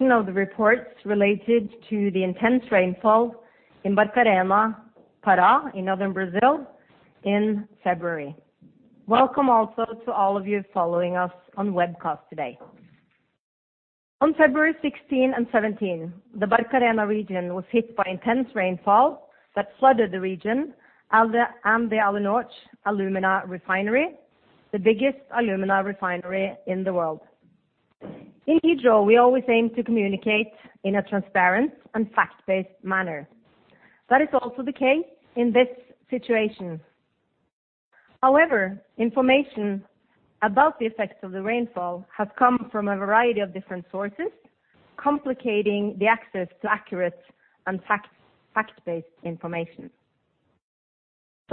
Of the reports related to the intense rainfall in Barcarena, Pará in Northern Brazil in February. Welcome also to all of you following us on webcast today. On February 16 and 17, the Barcarena region was hit by intense rainfall that flooded the region and the Alunorte alumina refinery, the biggest alumina refinery in the world. In Hydro, we always aim to communicate in a transparent and fact-based manner. That is also the case in this situation. Information about the effects of the rainfall have come from a variety of different sources, complicating the access to accurate and fact-based information.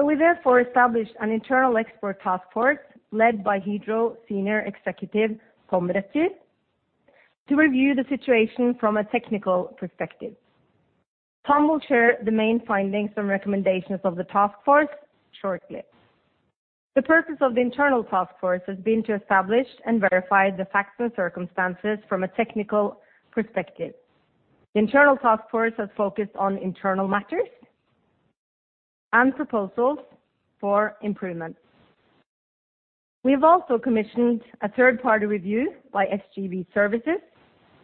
We therefore established an internal expert task force led by Hydro senior executive Tom Røtjer, to review the situation from a technical perspective. Tom will share the main findings and recommendations of the task force shortly. The purpose of the internal task force has been to establish and verify the facts or circumstances from a technical perspective. The internal task force has focused on internal matters and proposals for improvement. We have also commissioned a third-party review by SGW Services,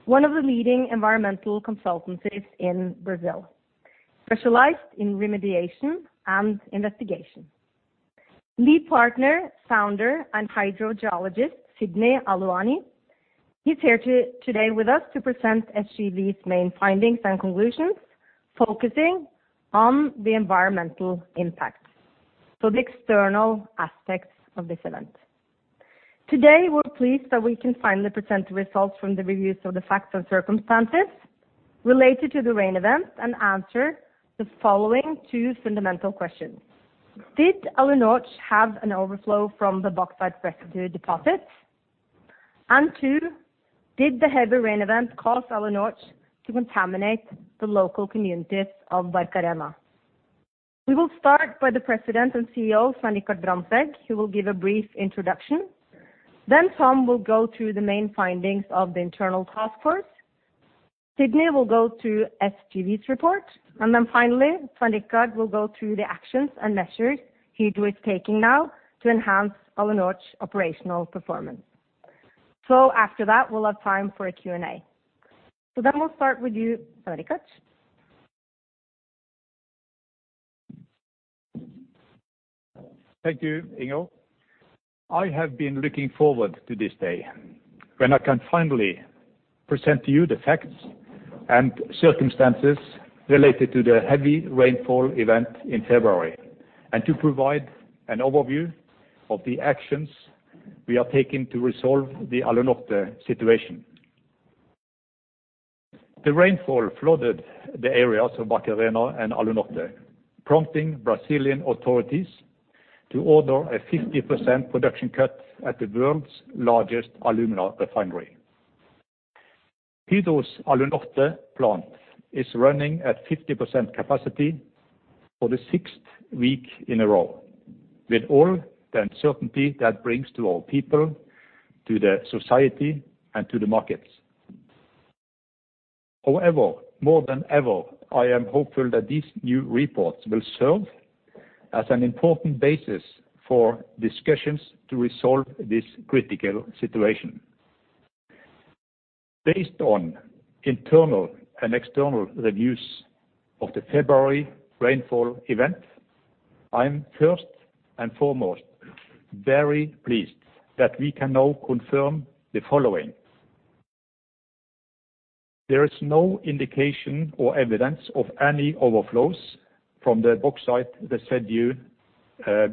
one of the leading environmental consultancies in Brazil, specialized in remediation and investigation. Lead partner, founder, and hydrogeologist Sidney Aluani, he's here today with us to present SGW's main findings and conclusions, focusing on the environmental impact, the external aspects of this event. Today, we're pleased that we can finally present the results from the reviews of the facts and circumstances related to the rain event, answer the following two fundamental questions. Did Alunorte have an overflow from the bauxite residue deposits? 2, did the heavy rain event cause Alunorte to contaminate the local communities of Barcarena? We will start by the President and CEO, Svein Richard Brandtzæg, who will give a brief introduction. Tom will go through the main findings of the internal task force. Sidney will go through SGW's report. Finally, Svein Richard will go through the actions and measures Hydro is taking now to enhance Alunorte's operational performance. After that, we'll have time for a Q&A. We'll start with you, Svein Richard. Thank you, Inga. I have been looking forward to this day when I can finally present to you the facts and circumstances related to the heavy rainfall event in February, and to provide an overview of the actions we are taking to resolve the Alunorte situation. The rainfall flooded the areas of Barcarena and Alunorte, prompting Brazilian authorities to order a 50% production cut at the world's largest alumina refinery. Hydro's Alunorte plant is running at 50% capacity for the 6th week in a row, with all the uncertainty that brings to our people, to the society, and to the markets. More than ever, I am hopeful that these new reports will serve as an important basis for discussions to resolve this critical situation. Based on internal and external reviews of the February rainfall event, I'm first and foremost very pleased that we can now confirm the following. There is no indication or evidence of any overflows from the bauxite residue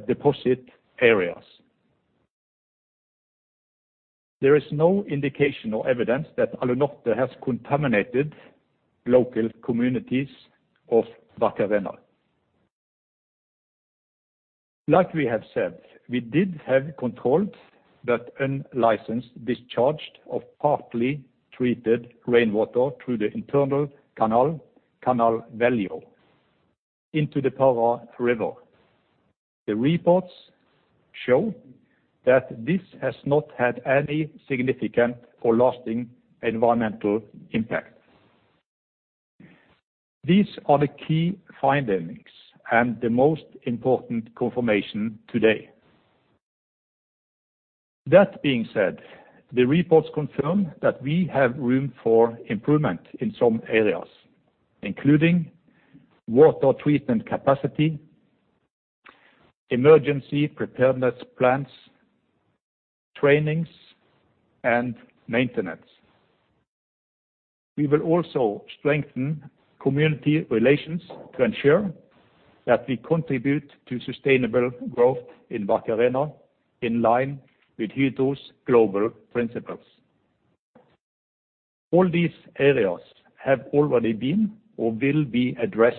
deposit areas. There is no indication or evidence that Alunorte has contaminated local communities of Barcarena. Like we have said, we did have controlled but unlicensed discharged of partly treated rainwater through the internal canal, Canal Velho, into the Pará River. The reports show that this has not had any significant or lasting environmental impact. These are the key findings and the most important confirmation today. That being said, the reports confirm that we have room for improvement in some areas, including water treatment capacity, emergency preparedness plans, trainings, and maintenance. We will also strengthen community relations to ensure that we contribute to sustainable growth in Barcarena in line with Hydro's global principles. All these areas have already been or will be addressed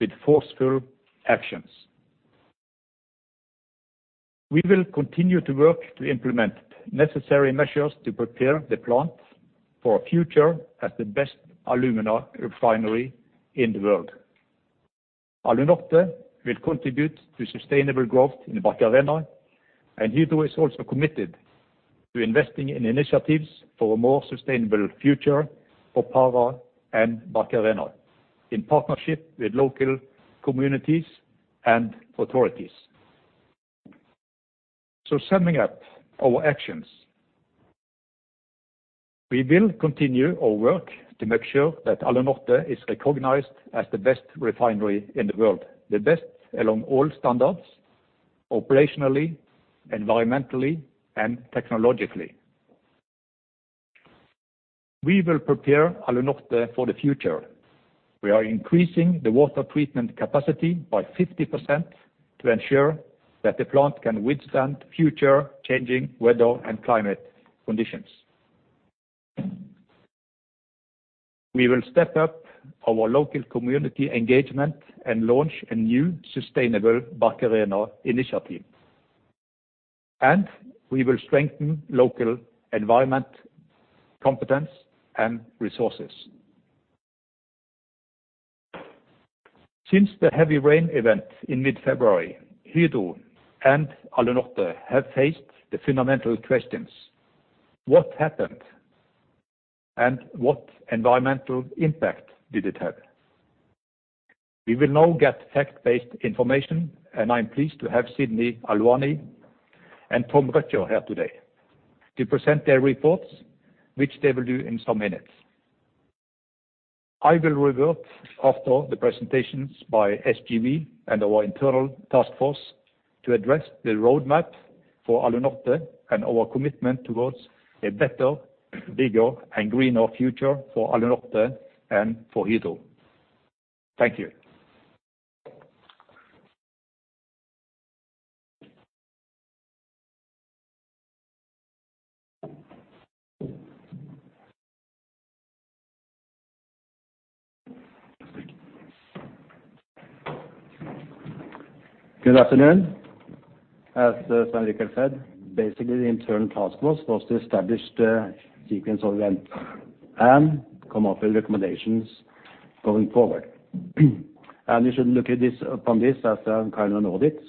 with forceful actions. We will continue to work to implement necessary measures to prepare the plant for a future as the best alumina refinery in the world. Alunorte will contribute to sustainable growth in Barcarena. Hydro is also committed to investing in initiatives for a more sustainable future for Pará and Barcarena in partnership with local communities and authorities. Summing up our actions, we will continue our work to make sure that Alunorte is recognized as the best refinery in the world, the best along all standards, operationally, environmentally, and technologically. We will prepare Alunorte for the future. We are increasing the water treatment capacity by 50% to ensure that the plant can withstand future changing weather and climate conditions. We will step up our local community engagement and launch a new Sustainable Barcarena Initiative, and we will strengthen local environment, competence, and resources. Since the heavy rain event in mid-February, Hydro and Alunorte have faced the fundamental questions: What happened? What environmental impact did it have? We will now get fact-based information, and I'm pleased to have Sidney Aluani and Tom Røtjer here today to present their reports, which they will do in some minutes. I will revert after the presentations by SGW and our internal task force to address the roadmap for Alunorte and our commitment towards a better, bigger, and greener future for Alunorte and for Hydro. Thank you. Good afternoon. As Svein Richard said, basically the internal task force was to establish the sequence of events and come up with recommendations going forward. You should look upon this as a kind of audit,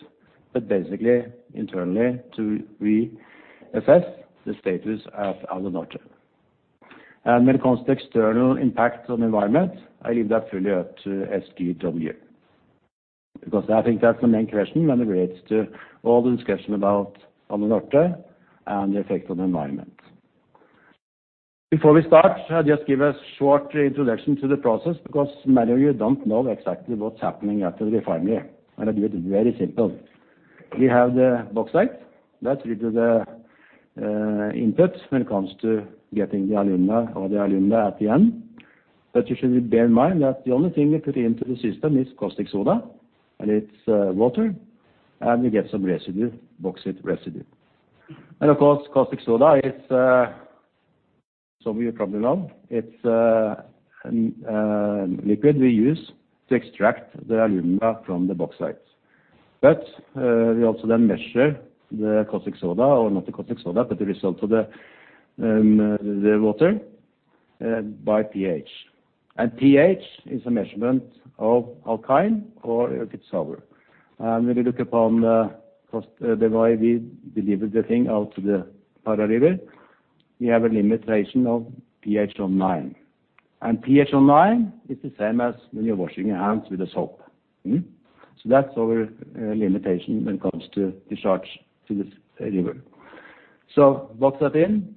but basically internally to reassess the status of Alunorte. When it comes to external impact on the environment, I leave that fully up to SGW because I think that's the main question when it relates to all the discussion about Alunorte and the effect on the environment. Before we start, I'll just give a short introduction to the process because many of you don't know exactly what's happening at the refinery. I do it very simple. We have the bauxite. That's really the input when it comes to getting the alumina or the alumina at the end. You should bear in mind that the only thing we put into the system is caustic soda, and it's water, and we get some residue, bauxite residue. Of course, caustic soda is, some of you probably know, it's a liquid we use to extract the alumina from the bauxite. We also then measure the caustic soda or not the caustic soda, but the result of the water by pH. pH is a measurement of alkaline or if it's sour. When we look upon the cost, the way we deliver the thing out to the Pará River, we have a limitation of pH of 9. pH of 9 is the same as when you're washing your hands with a soap. That's our limitation when it comes to discharge to this river. Bauxite in,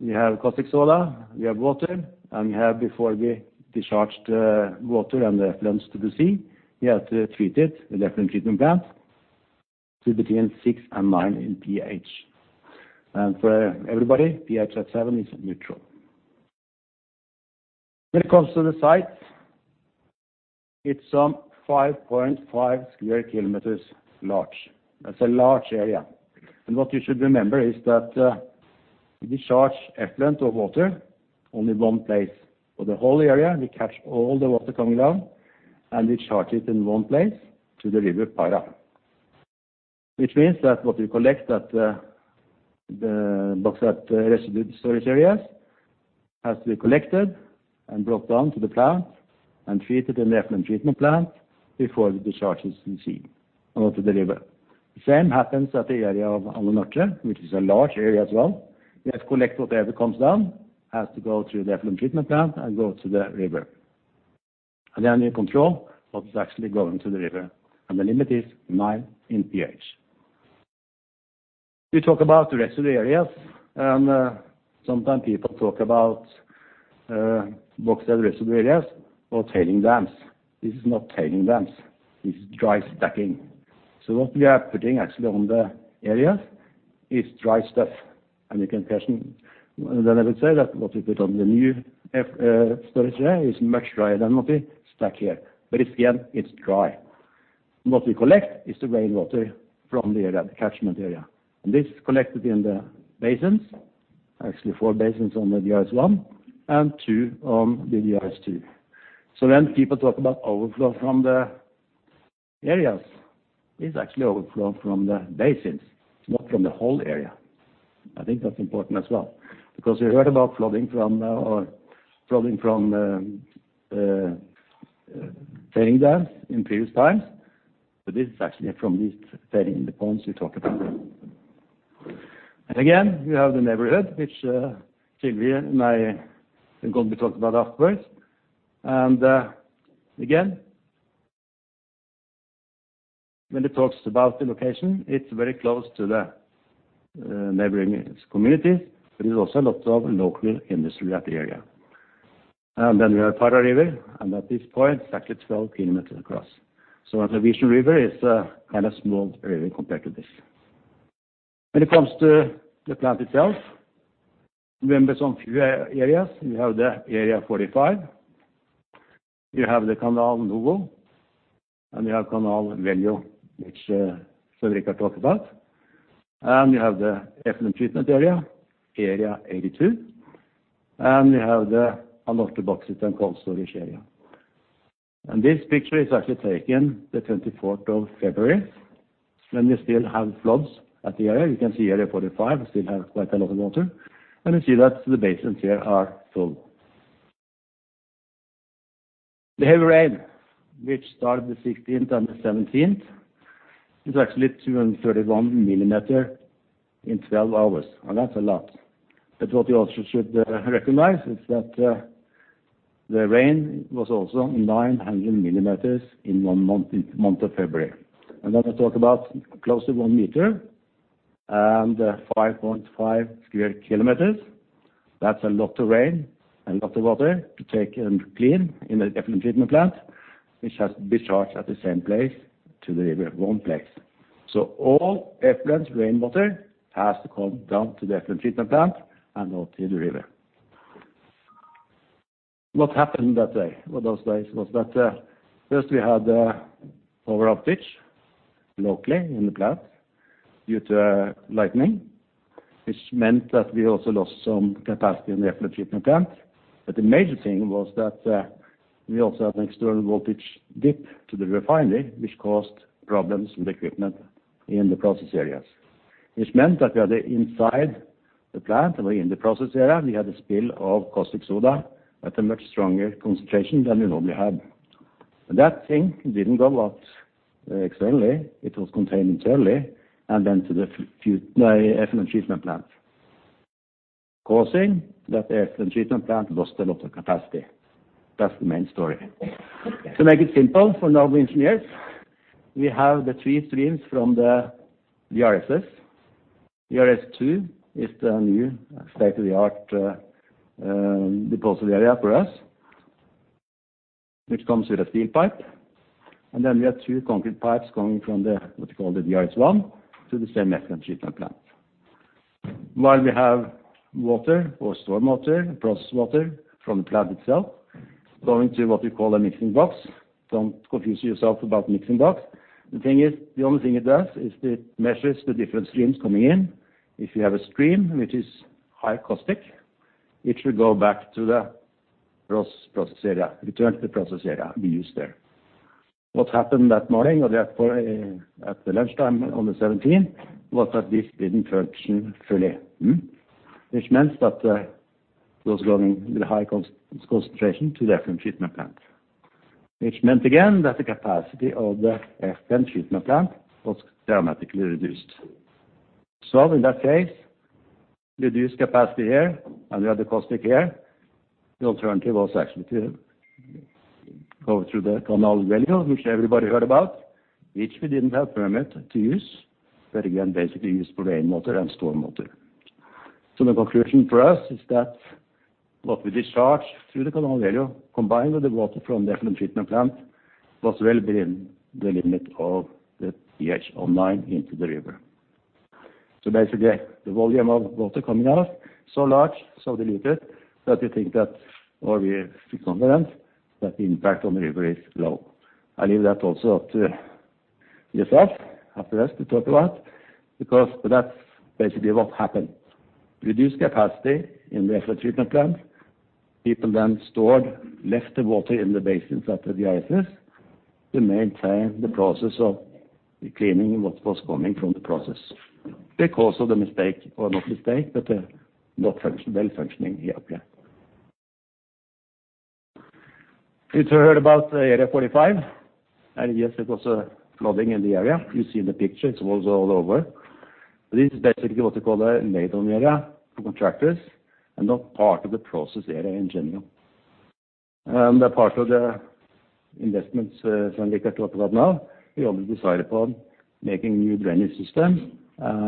we have caustic soda, we have water, and we have before we discharge the water and the effluents to the sea, we have to treat it, the effluent treatment plant, to between 6 and 9 in pH. For everybody, pH of 7 is neutral. When it comes to the site, it's 5.5 sq km large. That's a large area. What you should remember is that we discharge effluent or water only 1 place. For the whole area, we catch all the water coming down, and we discharge it in 1 place to the river Pará. Means that what we collect at the bauxite residue storage areas has to be collected and brought down to the plant and treated in the effluent treatment plant before discharges in sea or to the river. The same happens at the area of Alunorte, which is a large area as well. We have collect whatever comes down, has to go through the effluent treatment plant and go to the river. We control what is actually going to the river, and the limit is 9 in pH. We talk about residue areas, and, sometimes people talk about, bauxite residue areas or tailings dams. This is not tailings dams. This is dry stacking. What we are putting actually on the areas is dry stuff. You can personally. Then I would say that what we put on the new storage area is much drier than what we stack here. It's, again, it's dry. What we collect is the rainwater from the area, the catchment area. This is collected in the basins, actually four basins on the DRS1 and two on the DRS2. When people talk about overflow from the areas is actually overflow from the basins, not from the whole area. I think that's important as well, because we heard about flooding from, or flooding from, failing dams in previous times, but this is actually from these failing in the ponds we talked about. Again, we have the neighborhood which Silje and I are going to be talking about afterwards. Again, when it talks about the location, it's very close to the neighboring communities, but there's also a lot of local industry at the area. We have Pará River, and at this point, exactly 12 kilometers across. When the Visja River is kind of small river compared to this. When it comes to the plant itself, remember some few areas. We have the area 45. We have the Canal Novo, and we have Canal Velho, which Fabrika talked about. We have the effluent treatment area 82, and we have the anorthosite and cold storage area. This picture is actually taken the 24th of February, when we still have floods at the area. You can see area 45 still has quite a lot of water, and you see that the basins here are full. The heavy rain, which started the 16th and the 17th, is actually 231 millimeter in 12 hours, and that's a lot. What you also should recognize is that the rain was also 900 millimeters in 1 month, in month of February. We talk about close to 1 meter and 5.5 square kilometers. That's a lot of rain and a lot of water to take and clean in the effluent treatment plant, which has discharged at the same place to the river at one place. All effluent rainwater has to come down to the effluent treatment plant and out to the river. What happened that day or those days was that first we had a power outage locally in the plant due to lightning, which meant that we also lost some capacity in the effluent treatment plant. The major thing was that we also had an external voltage dip to the refinery, which caused problems with equipment in the process areas. Which meant that we had inside the plant or in the process area, we had a spill of caustic soda at a much stronger concentration than we normally have. That thing didn't go out externally. It was contained internally and then to the effluent treatment plant, causing that the effluent treatment plant lost a lot of capacity. That's the main story. To make it simple for normal engineers, we have the three streams from the DRS. DRS2 is the new state-of-the-art depository area for us, which comes with a steel pipe. Then we have two concrete pipes coming from the, what you call the DRS1 to the same effluent treatment plant. While we have water or storm water, processed water from the plant itself, going to what we call a mixing box. Don't confuse yourself about mixing box. The thing is, the only thing it does is it measures the different streams coming in. If you have a stream which is high caustic, it should go back to the process area, return to process area we use there. What happened that morning or therefore, at the lunchtime on the seventeenth was that this didn't function fully, which meant that it was going the high concentration to the effluent treatment plant. It meant again that the capacity of the effluent treatment plant was dramatically reduced. In that case, reduced capacity here, and we had the caustic here. The alternative was actually to go through the Canal Velho which everybody heard about, which we didn't have permit to use. Again, basically used for rainwater and storm water. The conclusion for us is that what we discharge through the Canal Velho combined with the water from the effluent treatment plant was well within the limit of the pH of 9 into the river. Basically, the volume of water coming out, so large, so diluted that we think that or we feel confident that the impact on the river is low. I leave that also up to ESR after us to talk about because that's basically what happened. Reduced capacity in the effluent treatment plant. People then stored, left the water in the basins at the RSS to maintain the process of cleaning what was coming from the process because of the mistake or not mistake, but not function, well functioning here okay. You two heard about the area 45, and yes, it was flooding in the area. You see in the picture, it was all over. This is basically what we call a made-on area for contractors and not part of the process area in general. Part of the investments Fabrika talked about now, we already decided on making new drainage system,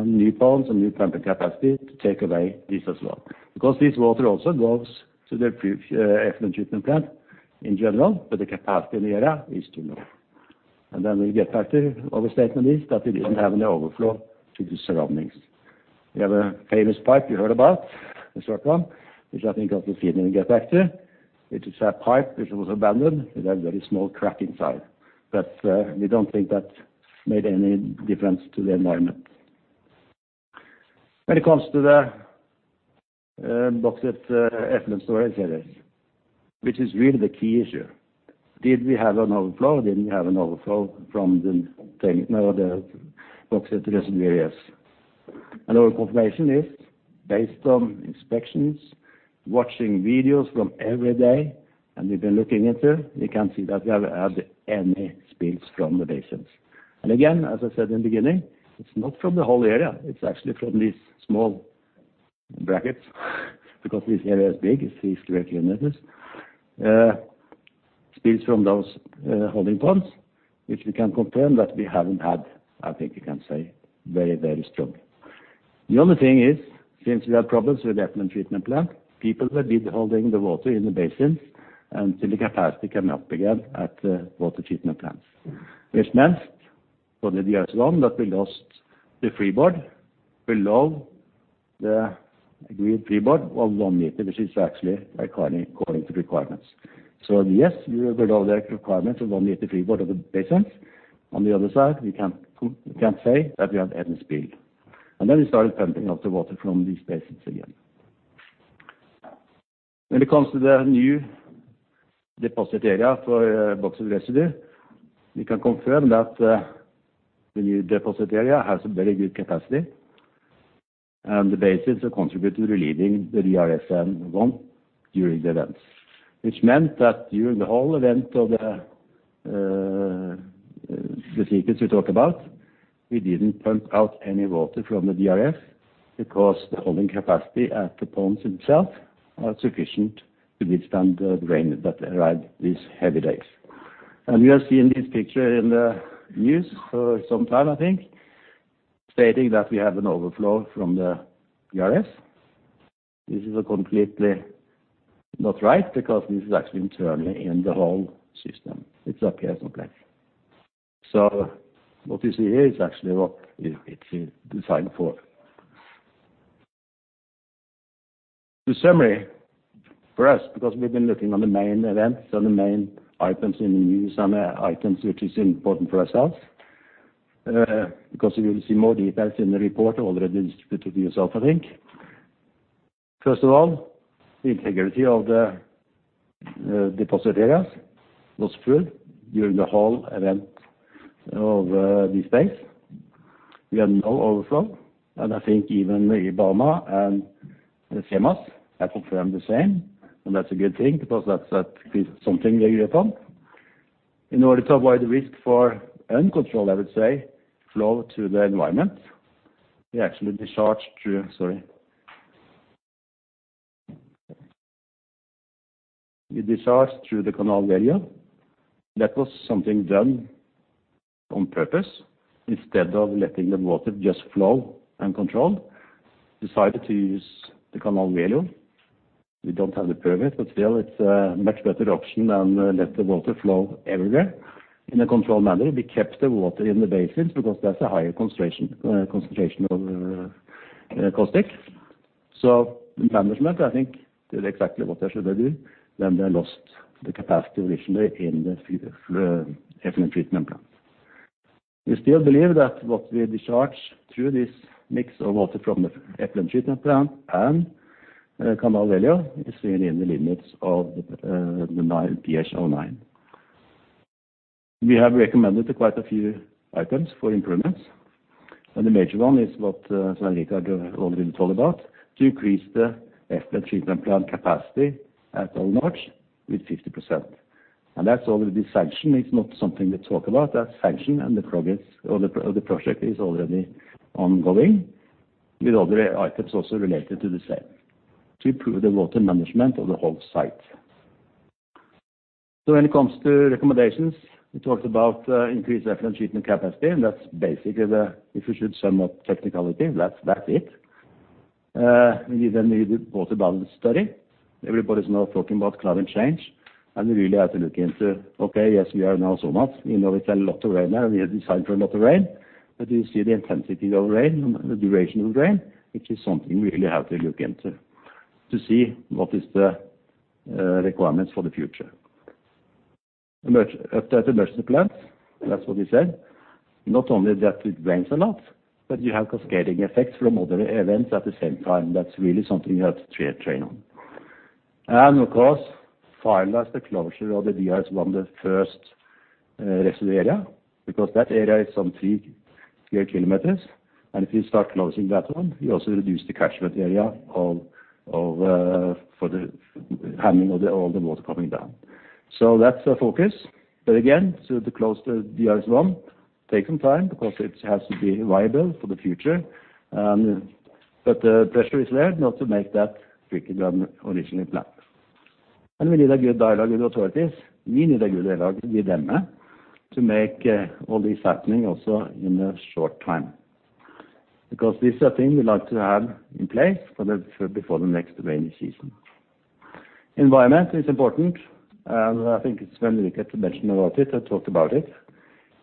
new ponds and new pumping capacity to take away this as well. This water also goes to the effluent treatment plant in general, but the capacity in the area is too low. We get back to overstating this, that we didn't have any overflow to the surroundings. We have a famous pipe you heard about, this red one, which I think also seen when we get back to. It is a pipe which was abandoned. It had very small crack inside. We don't think that made any difference to the environment. When it comes to the bauxite effluent storage areas, which is really the key issue. Did we have an overflow? Didn't we have an overflow from the bauxite residue areas? Our confirmation is based on inspections, watching videos from every day, and we've been looking into. We can't see that we have had any spills from the basins. Again, as I said in the beginning, it's not from the whole area. It's actually from these small brackets because this area is big. It's 60 square kilometers. Spills from those holding ponds, which we can confirm that we haven't had, I think we can say very, very strongly. The only thing is, since we have problems with effluent treatment plant, people have been holding the water in the basins, till the capacity come up again at the water treatment plants. Which meant for the DRS1 that we lost the freeboard below the agreed freeboard of 1 meter, which is actually according to requirements. Yes, we are below the requirements of 1 meter freeboard of the basins. On the other side, we can't say that we have had any spill. We started pumping out the water from these basins again. When it comes to the new deposit area for bauxite residue, we can confirm that the new deposit area has a very good capacity, and the basins are contributing to relieving the DRS1 during the events. Which meant that during the whole event of the sequence we talk about, we didn't pump out any water from the DRS because the holding capacity at the ponds themselves are sufficient to withstand the rain that arrived these heavy days. You have seen this picture in the news for some time, I think, stating that we have an overflow from the DRS. This is completely not right because this is actually internally in the whole system. It's okay as planned. What you see here is actually what it's designed for. The summary for us, because we've been looking on the main events and the main items in the news and items which is important for ourselves, because you will see more details in the report already distributed to yourself, I think. First of all, the integrity of the deposit areas was full during the whole event of these days. We had no overflow. I think even the IBAMA and the SEMAS have confirmed the same. That's a good thing because that is something we agree upon. In order to avoid risk for uncontrolled, I would say, flow to the environment, we actually discharged through. Sorry. We discharged through the Canal Velho. That was something done on purpose. Instead of letting the water just flow uncontrolled, decided to use the Canal Velho. We don't have the permit, still, it's a much better option than let the water flow everywhere in a controlled manner. We kept the water in the basins because that's a higher concentration of caustic. The management, I think, did exactly what they should do when they lost the capacity originally in the effluent treatment plant. We still believe that what we discharge through this mix of water from the effluent treatment plant and Canal Velho is really in the limits of the pH 9. We have recommended quite a few items for improvements, and the major one is what Svein Richard already told about, to increase the effluent treatment plant capacity at Alunorte with 50%. And that's already sanctioned. It's not something we talk about. That's sanctioned, and the project is already ongoing, with other items also related to the same, to improve the water management of the whole site. When it comes to recommendations, we talked about increased effluent treatment capacity, and that's basically. If you should sum up technicality, that's it. We need a new water balance study. Everybody's now talking about climate change. We really have to look into, okay, yes, we are now so much. We know it's a lot of rain now. We have designed for a lot of rain. You see the intensity of rain, the duration of rain, which is something we really have to look into to see what is the requirements for the future. Update emergency plans, that's what we said. Not only that it rains a lot. You have cascading effects from other events at the same time. That's really something you have to train on. Of course, finalize the closure of the DRS1, the first residue area, because that area is some 3 square kilometers, and if you start closing that one, you also reduce the catchment area of the handling of all the water coming down. That's a focus. Again, to close the DRS1 take some time because it has to be viable for the future. The pressure is there now to make that quicker than originally planned. We need a good dialogue with authorities. We need a good dialogue with them to make all this happening also in a short time. These are things we like to have in place for before the next rainy season. Environment is important, and I think it's very good to mention about it and talk about it.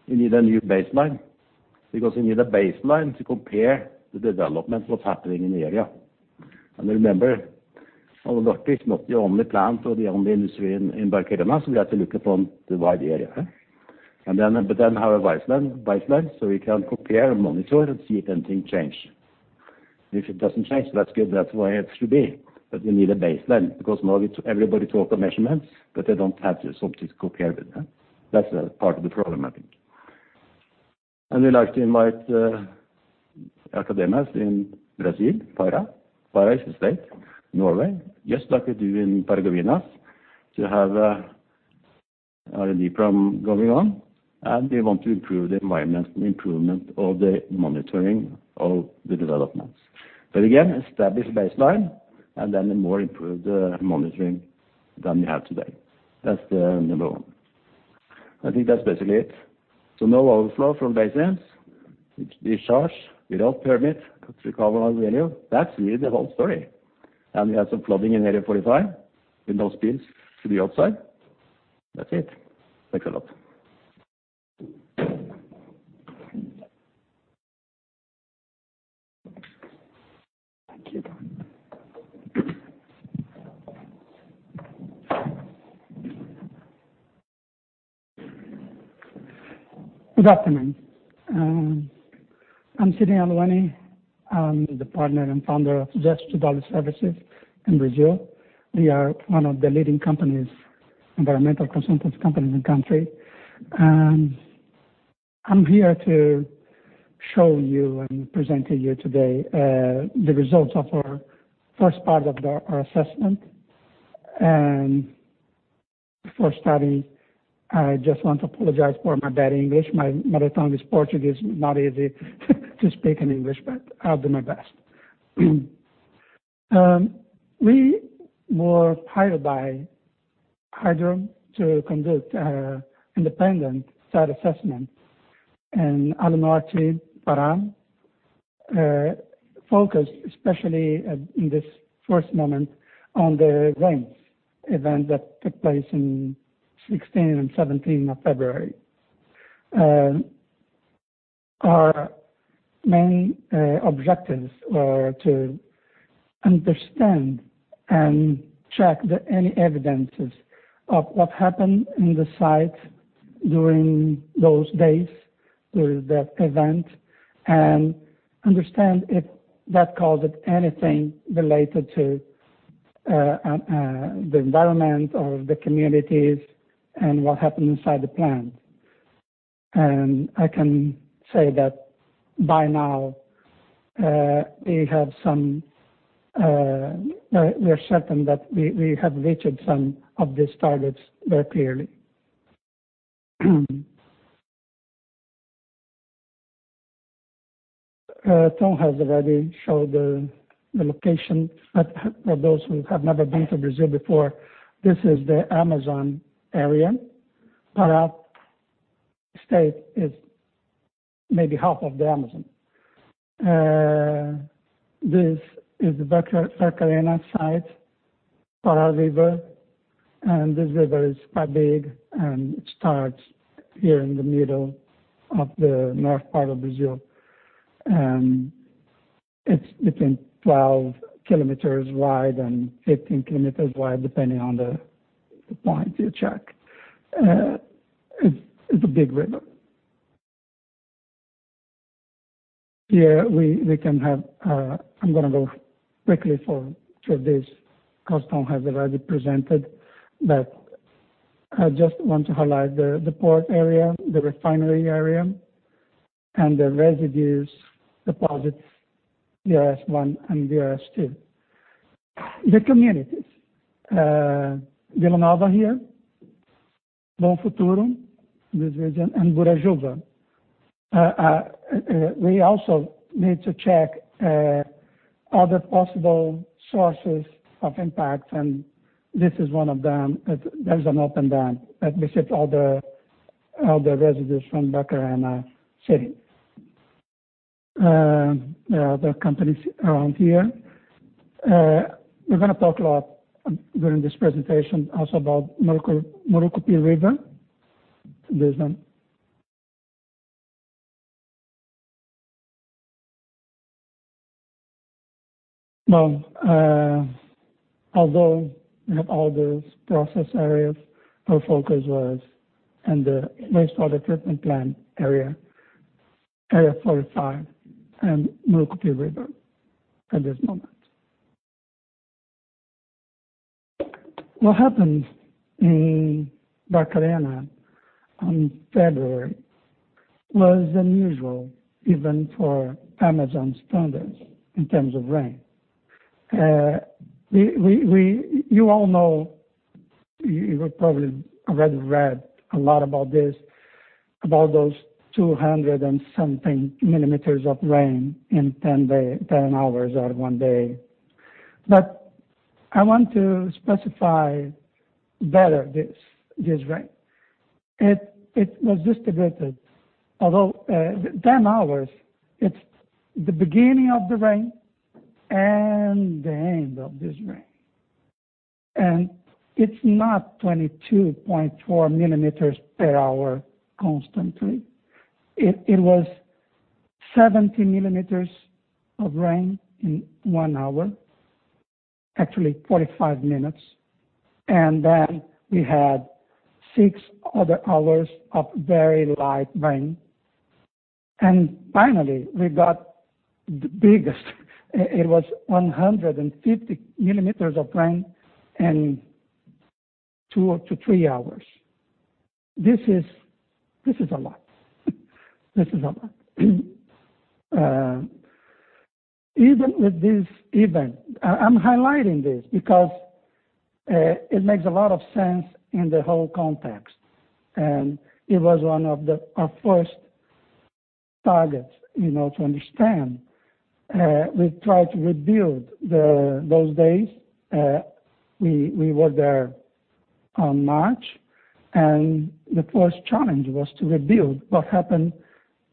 We need a new baseline because we need a baseline to compare the development, what's happening in the area. Remember, Alunorte is not the only plant or the only industry in Barcarena, so we have to look upon the wide area. Then have a baseline so we can compare, monitor, and see if anything change. If it doesn't change, that's good. That's the way it should be. We need a baseline because now it's everybody talk of measurements, but they don't have something to compare with that. That's a part of the problem, I think. We like to invite academics in Brazil, Pará. Pará is a state. Norway, just like we do in Paragominas, to have a R&D problem going on. We want to improve the environment, improvement of the monitoring of the developments. Again, establish baseline and then a more improved monitoring than we have today. That's the number 1. I think that's basically it. No overflow from basins. Discharge without permit, recover our value. That's really the whole story. We have some flooding in Area 45 with those spills to the outside. That's it. Thanks a lot. Thank you. Good afternoon. I'm Sidney Aluani. I'm the partner and founder of Just Two Dollar Services in Brazil. We are one of the leading companies, environmental consultants companies in the country. I'm here to show you and present to you today the results of our first part of our assessment. Before starting, I just want to apologize for my bad English. My mother tongue is Portuguese. Not easy to speak in English, but I'll do my best. We were hired by Hydro to conduct a independent site assessment in Alunorte, Pará, focused especially in this first moment on the rains event that took place in 16 and 17 of February. Our main objectives were to understand and check any evidences of what happened in the site during those days, during that event, and understand if that caused anything related to the environment or the communities and what happened inside the plant. I can say that by now, we have some. We're certain that we have reached some of these targets very clearly. Tom has already showed the location, but for those who have never been to Brazil before, this is the Amazon area. Pará state is maybe half of the Amazon. This is the Barcarena site, Pará River. This river is quite big, and it starts here in the middle of the north part of Brazil. It's between 12 kilometers wide and 15 kilometers wide, depending on the point you check. It's a big river. Here we can have. I'm going to go quickly through this 'cause Tom has already presented. I just want to highlight the port area, the refinery area, and the residues deposits, DRS1 and DRS2. The communities, Vila Nova here, Bom Futuro, this region, and Burajuba. We also need to check other possible sources of impact, and this is one of them. That is an open dam that receives all the residues from Barcarena city. There are other companies around here. We're going to talk a lot during this presentation also about Murucupí River. Well, although we have all those process areas, our focus was in the wastewater treatment plant area, Area 45 and Murucupí River at this moment. What happened in Barcarena in February was unusual, even for Amazon standards in terms of rain. You all know, you have probably already read a lot about this, about those 200 and something mm of rain in 10 day, 10 hours or 1 day. I want to specify better this rain. It was distributed, although, 10 hours, it's the beginning of the rain and the end of this rain. It's not 22.4 mm per hour constantly. It was 70 mm of rain in 1 hour, actually 45 minutes. We had 6 other hours of very light rain. Finally, we got the biggest. It was 150 mm of rain in 2 up to 3 hours. This is a lot. This is a lot. Even with this event, I'm highlighting this because it makes a lot of sense in the whole context, and it was one of our first targets to understand. We tried to rebuild those days. We were there on March, and the first challenge was to rebuild what happened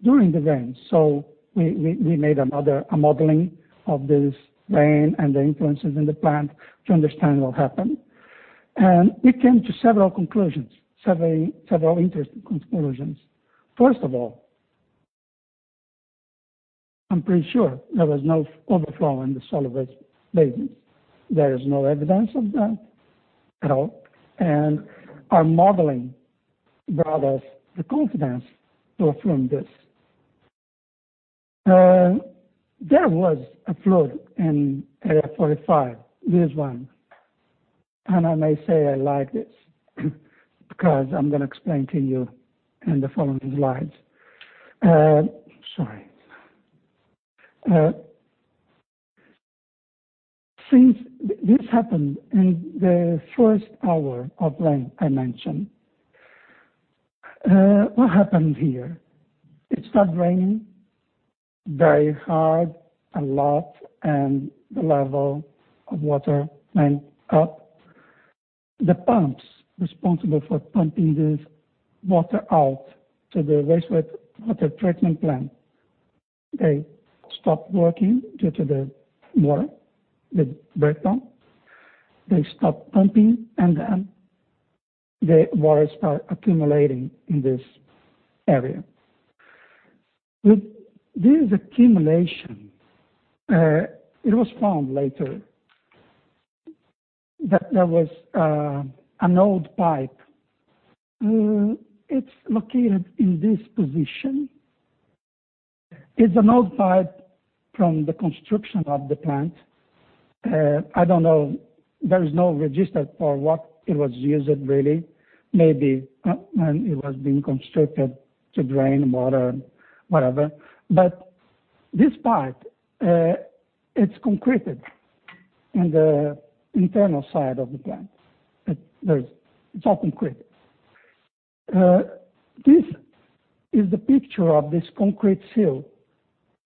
during the rain. We made a modeling of this rain and the influences in the plant to understand what happened. We came to several conclusions, several interesting conclusions. First of all, I'm pretty sure there was no overflow in the solid waste basins. There is no evidence of that at all. Our modeling brought us the confidence to affirm this. There was a flood in Area 45, this one. I may say I like this because I'm going to explain to you in the following slides. Sorry. Since this happened in the first hour of rain, I mentioned. What happened here? It started raining very hard, a lot, the level of water went up. The pumps responsible for pumping this water out to the wastewater treatment plant, they stopped working due to the water. They break down. They stopped pumping, the water started accumulating in this area. With this accumulation, it was found later that there was an old pipe. It's located in this position. It's an old pipe from the construction of the plant. I don't know. There is no register for what it was used really. Maybe, when it was being constructed to drain water, whatever. This pipe, it's concreted in the internal side of the plant. It's all concreted. This is the picture of this concrete seal.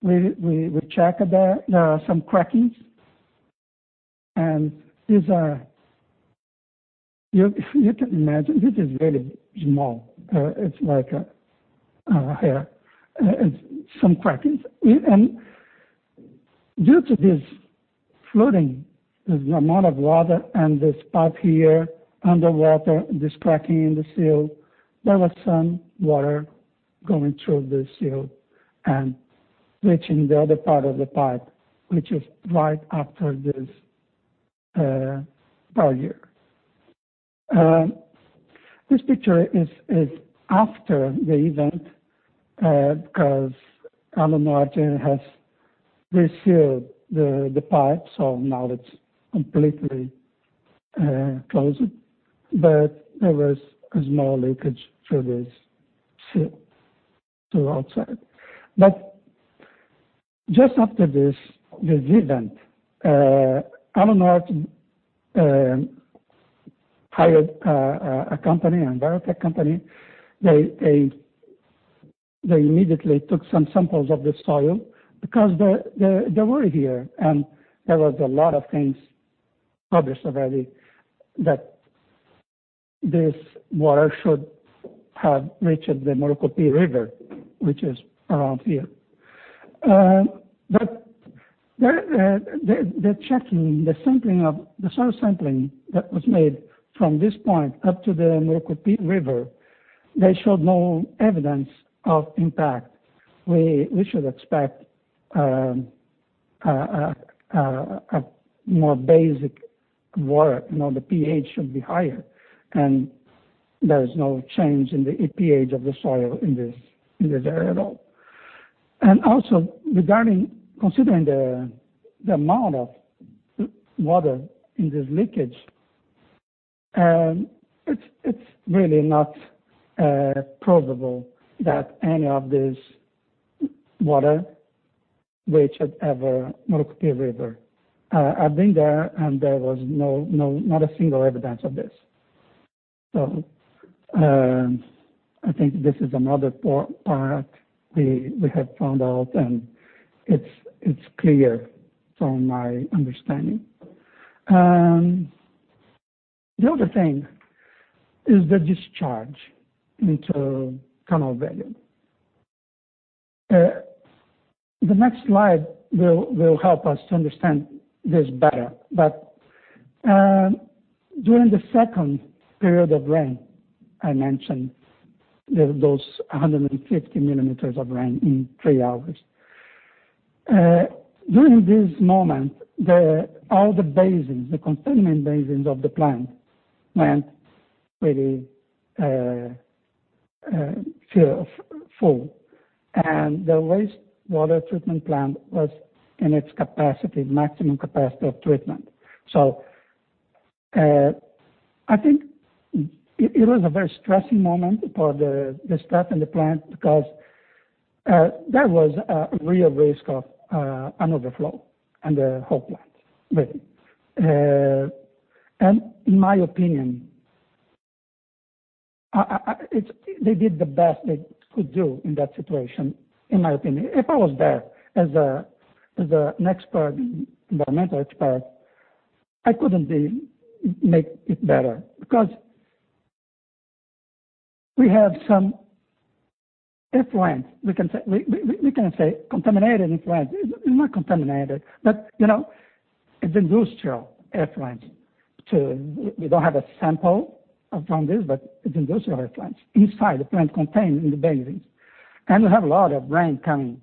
We checked that there are some crackings, and these are. You can imagine this is very small. It's like a hair. Some crackings. Due to this flooding, the amount of water and this pipe here underwater, this cracking in the seal, there was some water going through the seal and reaching the other part of the pipe, which is right after this barrier. This picture is after the event, 'cause Alunorte has resealed the pipe. Now it's completely closed. There was a small leakage through this seal to outside. Just after this event, Alunorte hired a company, an environmental company. They immediately took some samples of the soil because they were here, and there was a lot of things published already that this water should have reached the Murucupi River, which is around here. The soil sampling that was made from this point up to the Murucupi River, they showed no evidence of impact. We should expect a more basic water. The pH should be higher, and there is no change in the pH of the soil in this area at all. Also considering the amount of water in this leakage, it's really not probable that any of this water reached at Murucupi River. I've been there was no not a single evidence of this. I think this is another part we have found out, and it's clear from my understanding. The other thing is the discharge into Canal Velho. The next slide will help us to understand this better. During the second period of rain, I mentioned those 150 millimeters of rain in 3 hours. During this moment, all the basins, the containment basins of the plant went really full. The wastewater treatment plant was in its capacity, maximum capacity of treatment. I think it was a very stressing moment for the staff in the plant because there was a real risk of an overflow in the whole plant, really. In my opinion, They did the best they could do in that situation, in my opinion. If I was there as a environmental expert, I couldn't make it better. We have some effluent. We can say contaminated effluent. It, it's not contaminated, but it's industrial effluent. We don't have a sample from this, but it's industrial effluents inside the plant contained in the basins. We have a lot of rain coming,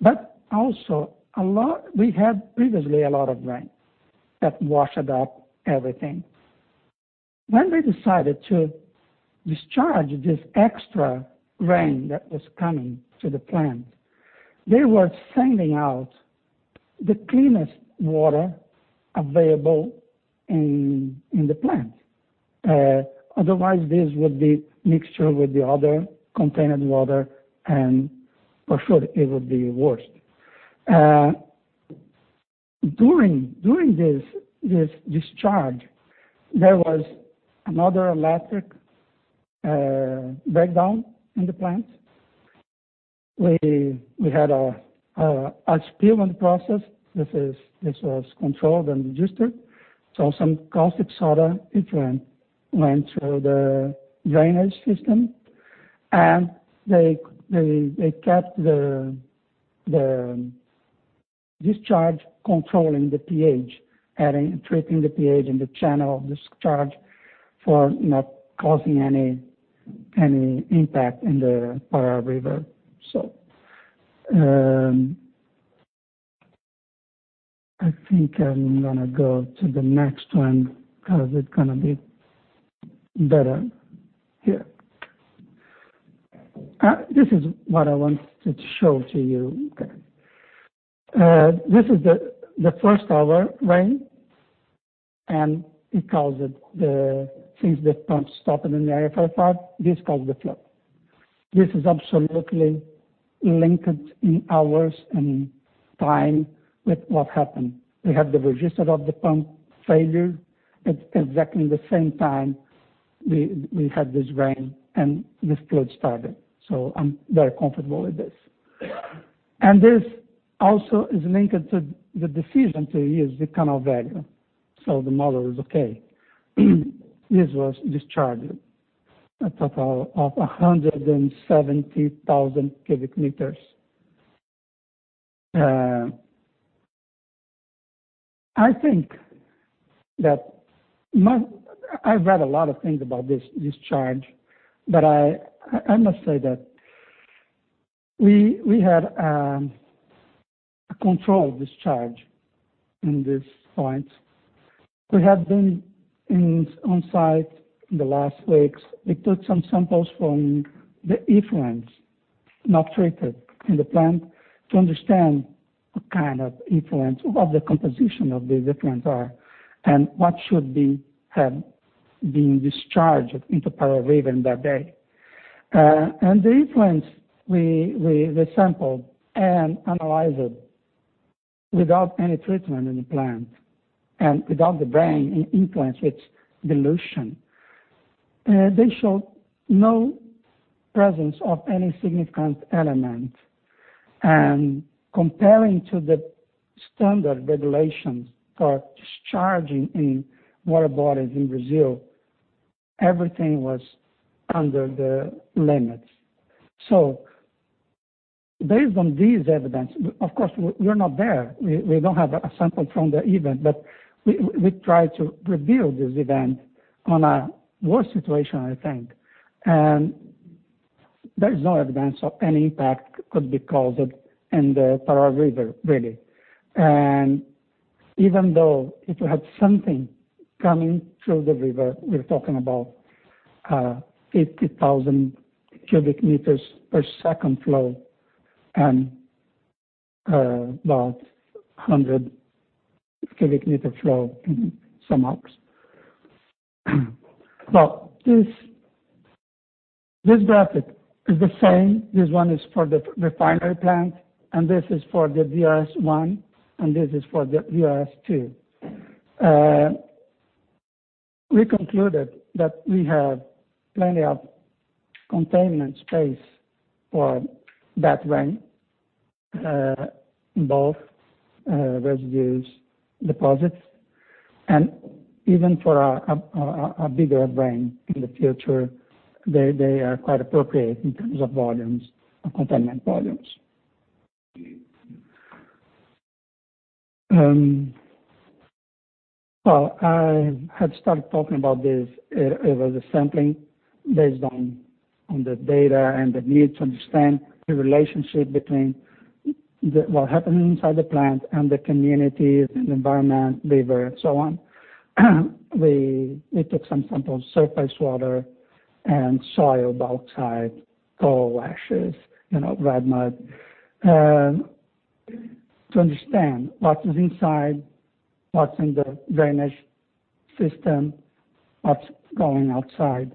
but also we had previously a lot of rain that washed up everything. When we decided to discharge this extra rain that was coming to the plant, they were sending out the cleanest water available in the plant. Otherwise this would be mixture with the other contaminated water, and for sure it would be worse. During this discharge, there was another electric breakdown in the plant. We had a spill in the process. This was controlled and registered. Some caustic soda effluent went through the drainage system, and they kept the discharge controlling the pH, treating the pH in the channel of discharge for not causing any impact in the Pará River. I think I'm going to go to the next one 'cause it's going to be better. Here. This is what I want to show to you. This is the first hour rain. Since the pump stopped in the RFL part, this caused the flood. This is absolutely linked in hours and time with what happened. We have the register of the pump failure at exactly the same time we had this rain and this flood started. I'm very comfortable with this. This also is linked to the decision to use the Canal Velho. The model is okay. This was discharged, a total of 170,000 cubic meters. I think that I've read a lot of things about this discharge, but I must say that we had a controlled discharge in this point. We have been on site in the last weeks. We took some samples from the effluents not treated in the plant to understand what kind of effluents or what the composition of the effluents are, and what should be being discharged into Pará River in that day. The effluents we sampled and analyzed without any treatment in the plant and without the rain influence its dilution. They showed no presence of any significant element. Comparing to the standard regulations for discharging in water bodies in Brazil, everything was under the limits. Based on this evidence. Of course, we're not there. We, we don't have a sample from the event, but we tried to rebuild this event on a worse situation, I think. There is no evidence of any impact could be caused in the Pará River, really. Even though if you had something coming through the river, we're talking about 50,000 cubic meters per second flow and about 100 cubic meter flow in some hours. This, this graphic is the same. This one is for the refinery plant, and this is for the DRS1, and this is for the DRS2. We concluded that we have plenty of containment space for that rain, both residues deposits and even for a bigger event in the future, they are quite appropriate in terms of volumes, containment volumes. Well, I had started talking about this. It was a sampling based on the data and the need to understand the relationship between what happened inside the plant and the communities and environment, river, and so on. We took some samples, surface water and soil, bauxite, coal ashes red mud, to understand what is inside, what's in the drainage system, what's going outside,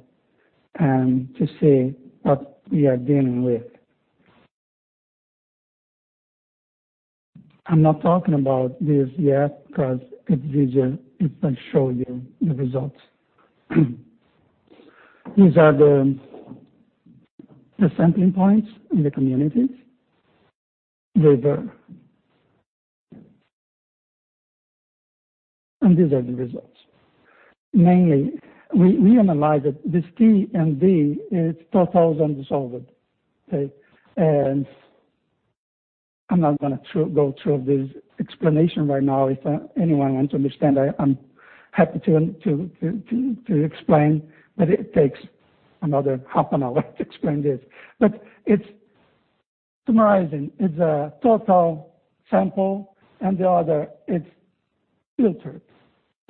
and to see what we are dealing with. I'm not talking about this yet because it's easier if I show you the results. These are the sampling points in the communities. River. These are the results. Mainly, we analyzed it. This TDS, it's total dissolved, okay? I'm not going to go through this explanation right now. If anyone wants to understand, I'm happy to explain, but it takes another half an hour to explain this. Summarizing, it's a total sample, and the other, it's filtered,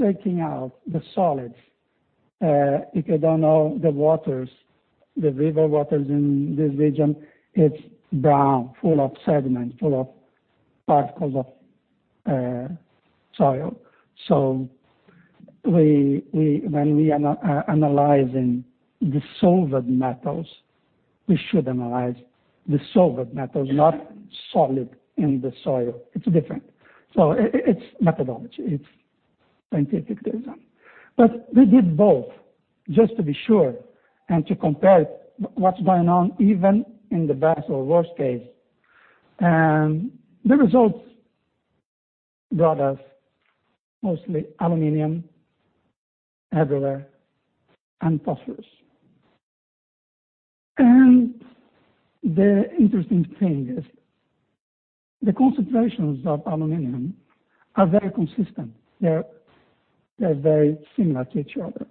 taking out the solids. If you don't know, the waters, the river waters in this region, it's brown, full of sediment, full of particles of soil. When we analyzing dissolved metals, we should analyze dissolved metals, not solid in the soil. It's different. It's methodology. It's scientific design. We did both just to be sure and to compare what's going on even in the best or worst case. The results brought us mostly aluminum, everywhere, and phosphorus. The interesting thing is the concentrations of aluminum are very consistent. They're very similar to each other.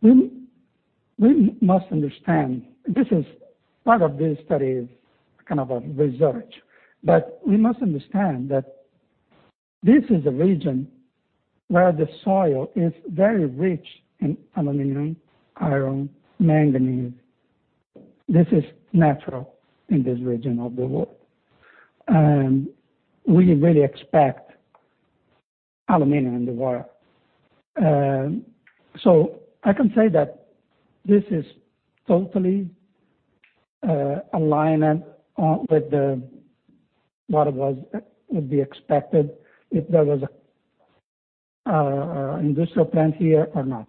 We must understand. Part of this study is kind of a research. We must understand that this is a region where the soil is very rich in aluminum, iron, manganese. This is natural in this region of the world. I can say that this is totally aligned with what would be expected if there was a industrial plant here or not.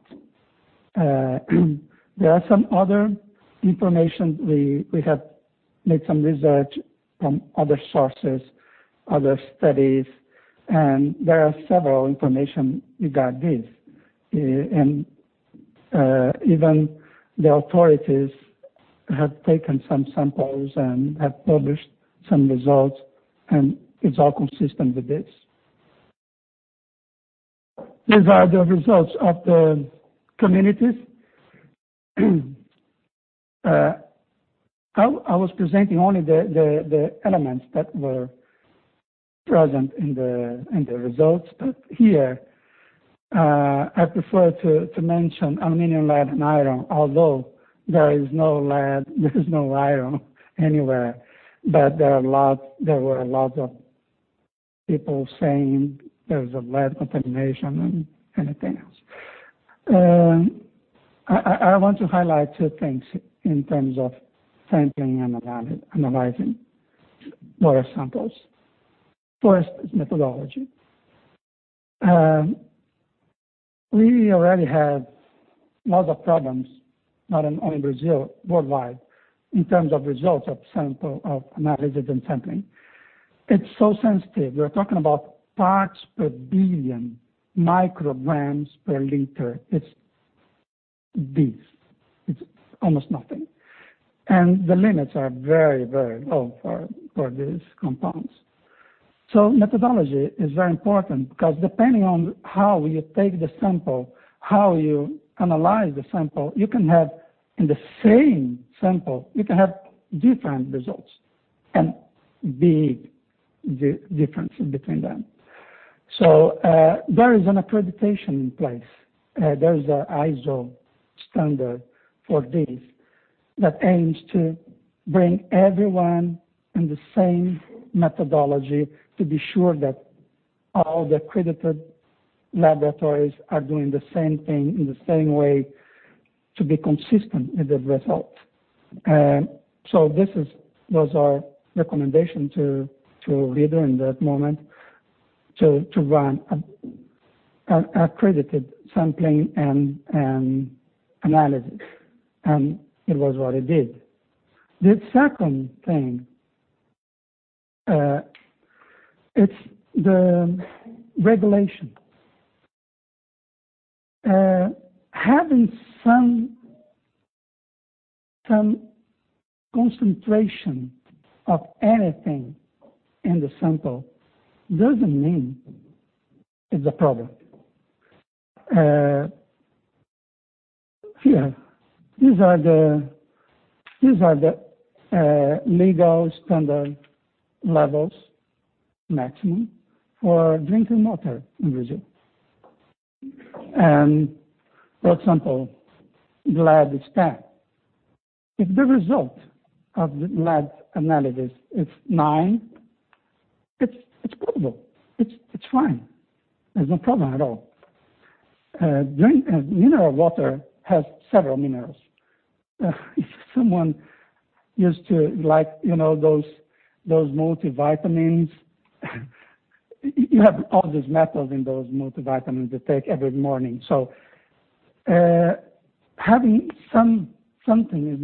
There are some other information. We have made some research from other sources, other studies, and there are several information regarding this. Even the authorities have taken some samples and have published some results, and it's all consistent with this. These are the results of the communities. I was presenting only the elements that were present in the results. Here, I prefer to mention aluminum, lead, and iron. Although there is no lead, there's no iron anywhere. There were a lot of people saying there was a lead contamination and anything else. I want to highlight two things in terms of sampling and analyzing water samples. First is methodology. We already have lots of problems, not only Brazil, worldwide, in terms of results of analysis and sampling. It's so sensitive. We're talking about parts per billion, micrograms per liter. It's this. It's almost nothing. The limits are very, very low for these compounds. Methodology is very important because depending on how you take the sample, how you analyze the sample, you can have in the same sample, you can have different results and big difference between them. There is an accreditation in place. There is an ISO standard for this that aims to bring everyone in the same methodology to be sure that all the accredited laboratories are doing the same thing in the same way to be consistent with the results. This was our recommendation to leader in that moment to run an accredited sampling and analysis. It was what it did. The second thing, it's the regulation. Having some concentration of anything in the sample doesn't mean it's a problem. Here, these are the legal standard levels maximum for drinking water in Brazil. For example, lead is 10. If the result of the lead analysis is 9, it's potable. It's fine. There's no problem at all. Mineral water has several minerals. If someone used to like those multivitamins, you have all these metals in those multivitamins you take every morning. I want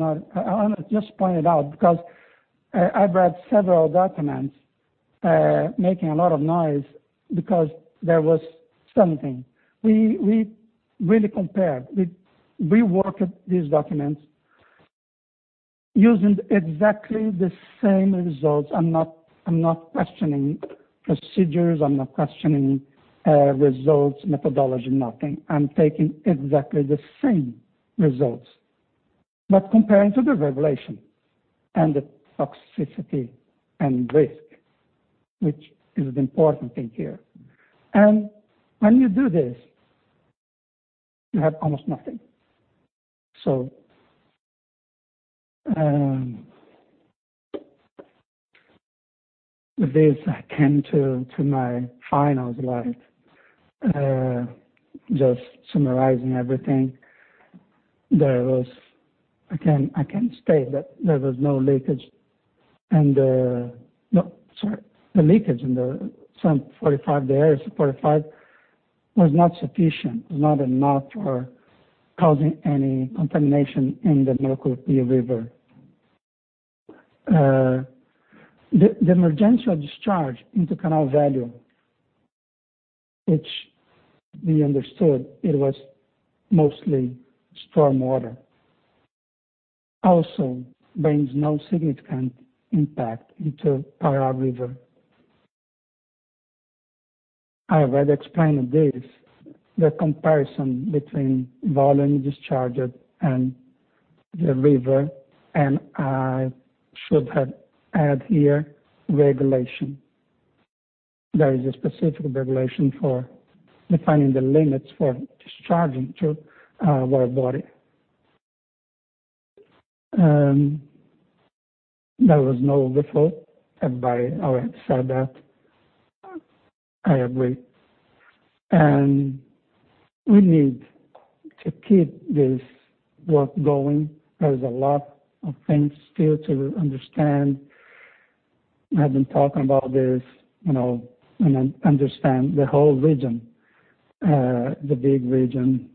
to just point it out because I've read several documents making a lot of noise because there was something. We really compared. We worked these documents using exactly the same results. I'm not questioning procedures, I'm not questioning results, methodology, nothing. I'm taking exactly the same results, comparing to the regulation and the toxicity and risk, which is the important thing here. When you do this, you have almost nothing. This I came to my final slide. Just summarizing everything. I can state that there was no leakage. No, sorry. The leakage in the area 45 was not sufficient. It was not enough for causing any contamination in the Miricoia River. The emergency discharge into Canal Velho, which we understood it was mostly storm water, also brings no significant impact into Pará River. I have already explained this, the comparison between volume discharged and the river, and I should have add here regulation. There is a specific regulation for defining the limits for discharging to a water body. There was no overflow. Everybody already said that. I agree. We need to keep this work going. There's a lot of things still to understand. I've been talking about this and understand the whole region, the big region.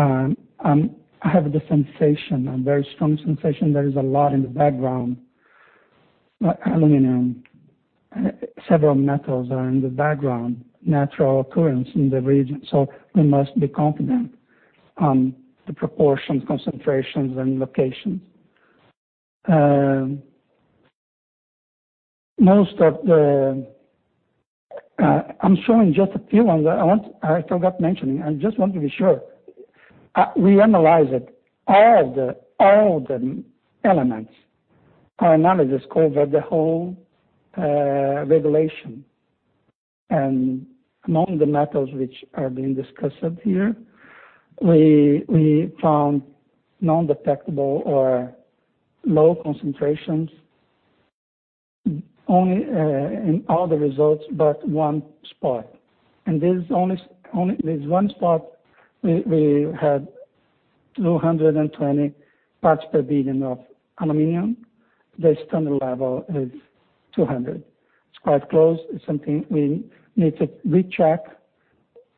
I have the sensation, a very strong sensation there is a lot in the background. Like aluminum, several metals are in the background, natural occurrence in the region, so we must be confident on the proportions, concentrations, and locations. I'm showing just a few ones. I forgot mentioning. I just want to be sure. We analyzed all the elements. Our analysis covered the whole regulation. Among the metals which are being discussed here, we found non-detectable or low concentrations only in all the results, but one spot. This is only this one spot we had 220 parts per billion of aluminum. The standard level is 200. It's quite close. It's something we need to recheck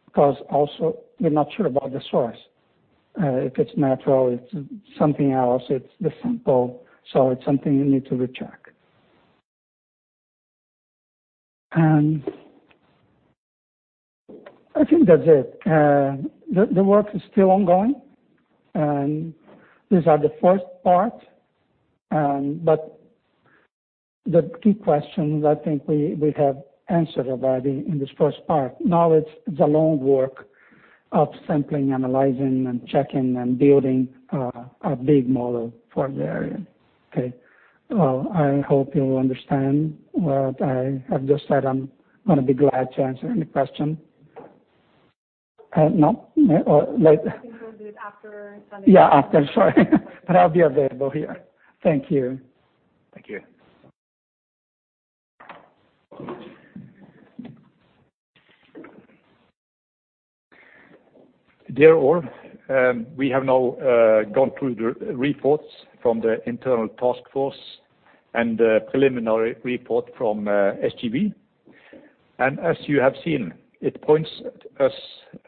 because also we're not sure about the source, if it's natural, it's something else, it's the sample. It's something we need to recheck. I think that's it. The work is still ongoing, and these are the first part. The key questions I think we have answered already in this first part. Now it's a long work of sampling, analyzing, and checking, and building a big model for the area. Okay. Well, I hope you understand what I have just said. I'm going to be glad to answer any question. No. Later. I think we'll do it after Sunday. After. Sorry. I'll be available here. Thank you. Thank you. Dear all, we have now gone through the reports from the internal task force and the preliminary report from SGW. As you have seen, it points us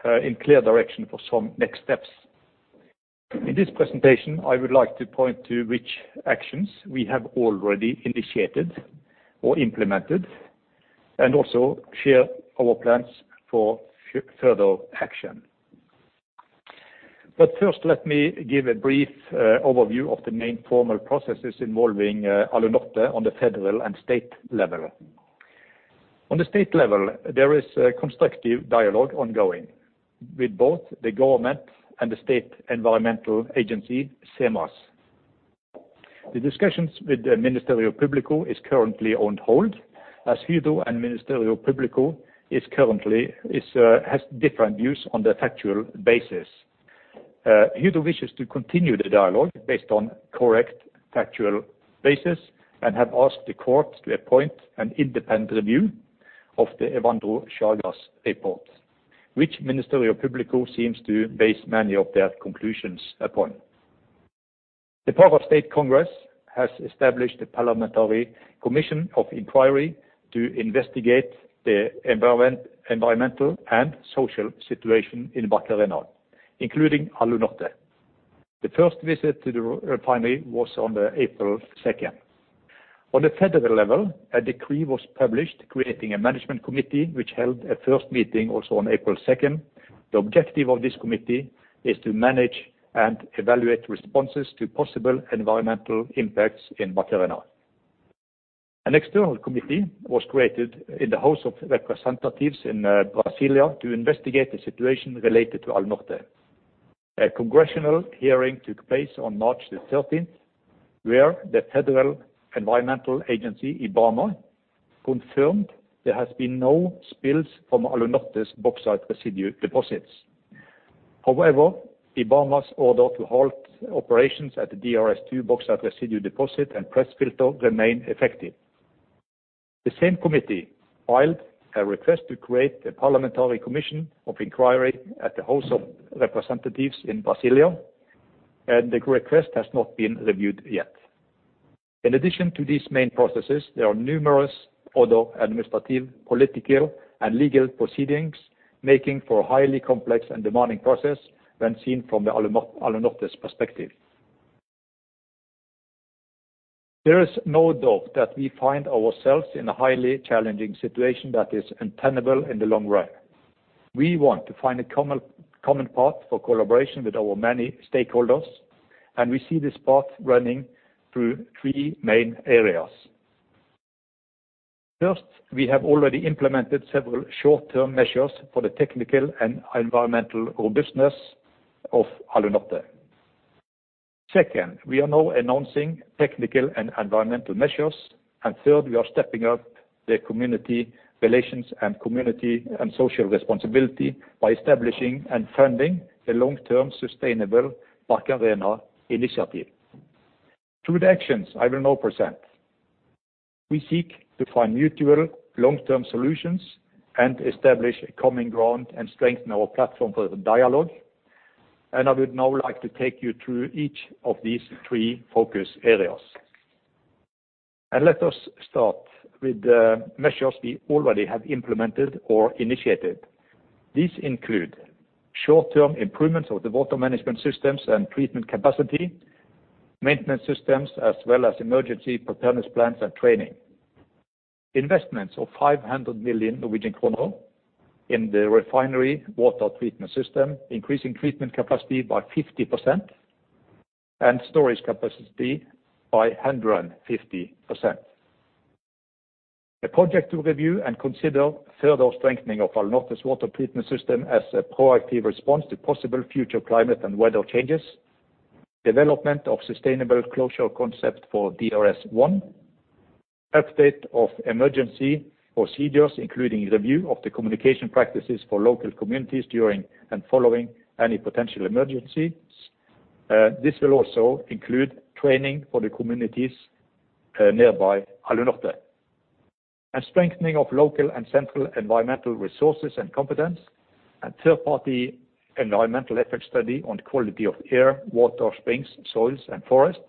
in clear direction for some next steps. In this presentation, I would like to point to which actions we have already initiated or implemented, and also share our plans for further action. First, let me give a brief overview of the main formal processes involving Alunorte on the federal and state level. On the state level, there is a constructive dialogue ongoing with both the government and the state environmental agency, SEMAS. The discussions with the Ministério Público is currently on hold, as Hydro and Ministério Público is currently has different views on the factual basis. Hydro wishes to continue the dialogue based on correct factual basis and have asked the court to appoint an independent review of the Evandro Chagas report, which Ministério Público seems to base many of their conclusions upon. The Pará State Congress has established a parliamentary commission of inquiry to investigate the environmental and social situation in Barcarena, including Alunorte. The first visit to the refinery was on the April second. On the federal level, a decree was published creating a management committee, which held a first meeting also on April second. The objective of this committee is to manage and evaluate responses to possible environmental impacts in Barcarena. An external committee was created in the House of Representatives in Brasília to investigate the situation related to Alunorte. A congressional hearing took place on March 13th, where the federal environmental agency, IBAMA, confirmed there has been no spills from Alunorte's bauxite residue deposits. IBAMA's order to halt operations at the DRS2 bauxite residue deposit and press filter remain effective. The same committee filed a request to create a parliamentary commission of inquiry at the House of Representatives in Brasília, the request has not been reviewed yet. In addition to these main processes, there are numerous other administrative, political, and legal proceedings, making for a highly complex and demanding process when seen from the Alunorte's perspective. There is no doubt that we find ourselves in a highly challenging situation that is untenable in the long run. We want to find a common path for collaboration with our many stakeholders, we see this path running through three main areas. First, we have already implemented several short-term measures for the technical and environmental robustness of Alunorte. Second, we are now announcing technical and environmental measures. Third, we are stepping up the community relations and community and social responsibility by establishing and funding the long-term Sustainable Barcarena Initiative. Through the actions I will now present, we seek to find mutual long-term solutions and establish a common ground and strengthen our platform for the dialogue. I would now like to take you through each of these three focus areas. Let us start with the measures we already have implemented or initiated. These include short-term improvements of the water management systems and treatment capacity, maintenance systems, as well as emergency preparedness plans and training. Investments of 500 million Norwegian kroner in the refinery water treatment system, increasing treatment capacity by 50% and storage capacity by 150%. A project to review and consider further strengthening of Alunorte's water treatment system as a proactive response to possible future climate and weather changes. Development of sustainable closure concept for DRS1. Update of emergency procedures, including review of the communication practices for local communities during and following any potential emergencies. This will also include training for the communities nearby Alunorte. Strengthening of local and central environmental resources and competence. Third-party environmental effect study on quality of air, water, springs, soils, and forests.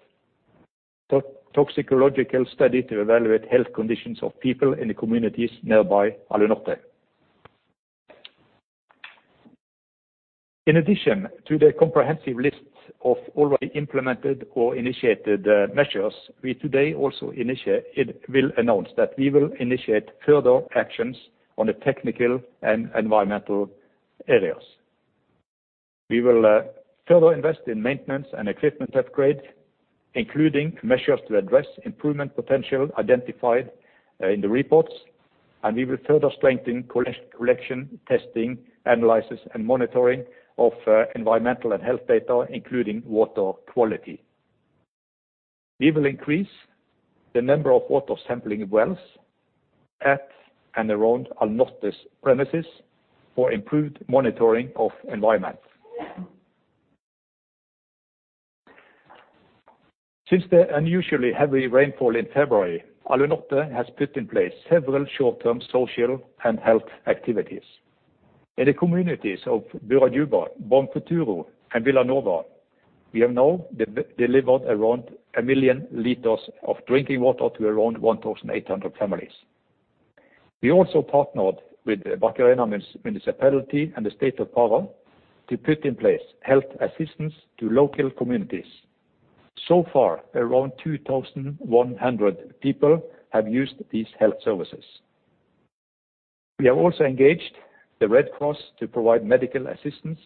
Toxicological study to evaluate health conditions of people in the communities nearby Alunorte. In addition to the comprehensive list of already implemented or initiated measures, we today also will announce that we will initiate further actions on the technical and environmental areas. We will further invest in maintenance and equipment upgrade, including measures to address improvement potential identified in the reports, and we will further strengthen collection, testing, analysis, and monitoring of environmental and health data, including water quality. We will increase the number of water sampling wells at and around Alunorte's premises for improved monitoring of environment. Since the unusually heavy rainfall in February, Alunorte has put in place several short-term social and health activities. In the communities of Burajuba, Bom Futuro, and Vila Nova, we have now delivered around 1 million liters of drinking water to around 1,800 families. We also partnered with the Barcarena Municipality and the State of Pará to put in place health assistance to local communities. So far, around 2,100 people have used these health services. We have also engaged the Red Cross to provide medical assistance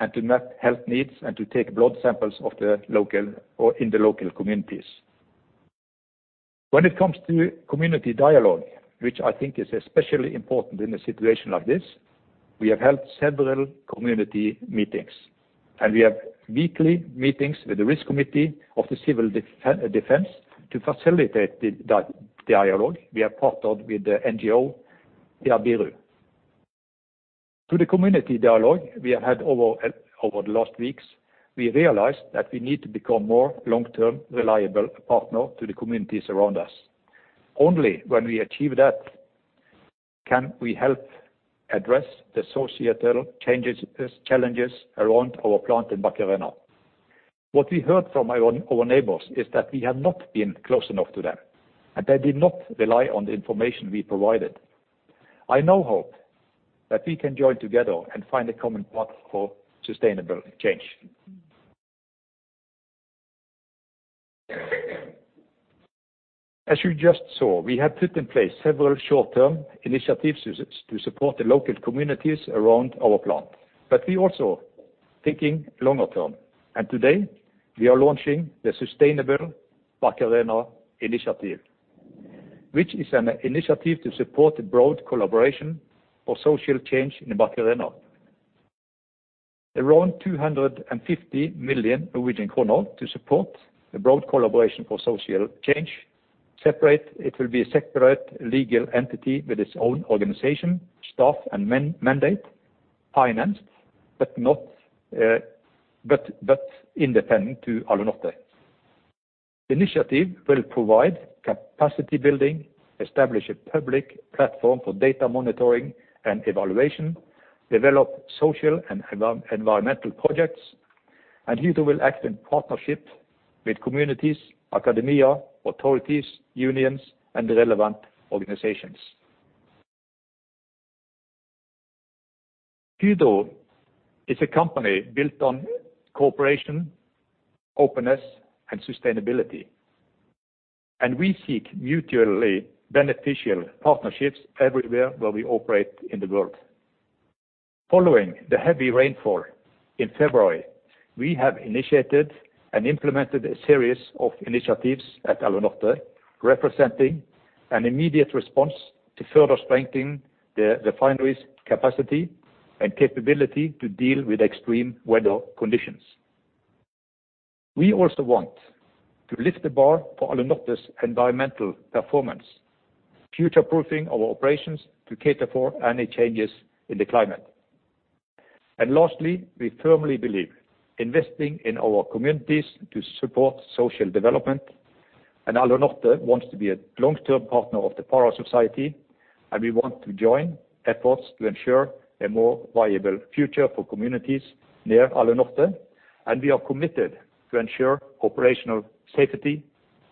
and to map health needs and to take blood samples of the local or in the local communities. When it comes to community dialogue, which I think is especially important in a situation like this, we have held several community meetings, and we have weekly meetings with the risk committee of the civil defense to facilitate the dialogue. We have partnered with the NGO, Jabiru. Through the community dialogue we have had over the last weeks, we realized that we need to become more long-term, reliable partner to the communities around us. Only when we achieve that can we help address the societal changes, challenges around our plant in Barcarena. What we heard from our neighbors is that we have not been close enough to them, and they did not rely on the information we provided. I now hope that we can join together and find a common path for sustainable change. As you just saw, we have put in place several short-term initiative services to support the local communities around our plant. We also thinking longer term, and today we are launching the Sustainable Barcarena Initiative, which is an initiative to support the broad collaboration for social change in Barcarena. Around 250 million Norwegian kroner to support the broad collaboration for social change. Separate, it will be a separate legal entity with its own organization, staff, and mandate, financed but not, but independent to Alunorte. The initiative will provide capacity building, establish a public platform for data monitoring and evaluation, develop social and environmental projects. Yudo will act in partnership with communities, academia, authorities, unions, and relevant organizations. Yudo is a company built on cooperation, openness, and sustainability. We seek mutually beneficial partnerships everywhere where we operate in the world. Following the heavy rainfall in February, we have initiated and implemented a series of initiatives at Alunorte, representing an immediate response to further strengthening the refinery's capacity and capability to deal with extreme weather conditions. We also want to lift the bar for Alunorte's environmental performance, future-proofing our operations to cater for any changes in the climate. Lastly, we firmly believe investing in our communities to support social development. Alunorte wants to be a long-term partner of the Pará society. We want to join efforts to ensure a more viable future for communities near Alunorte. We are committed to ensure operational safety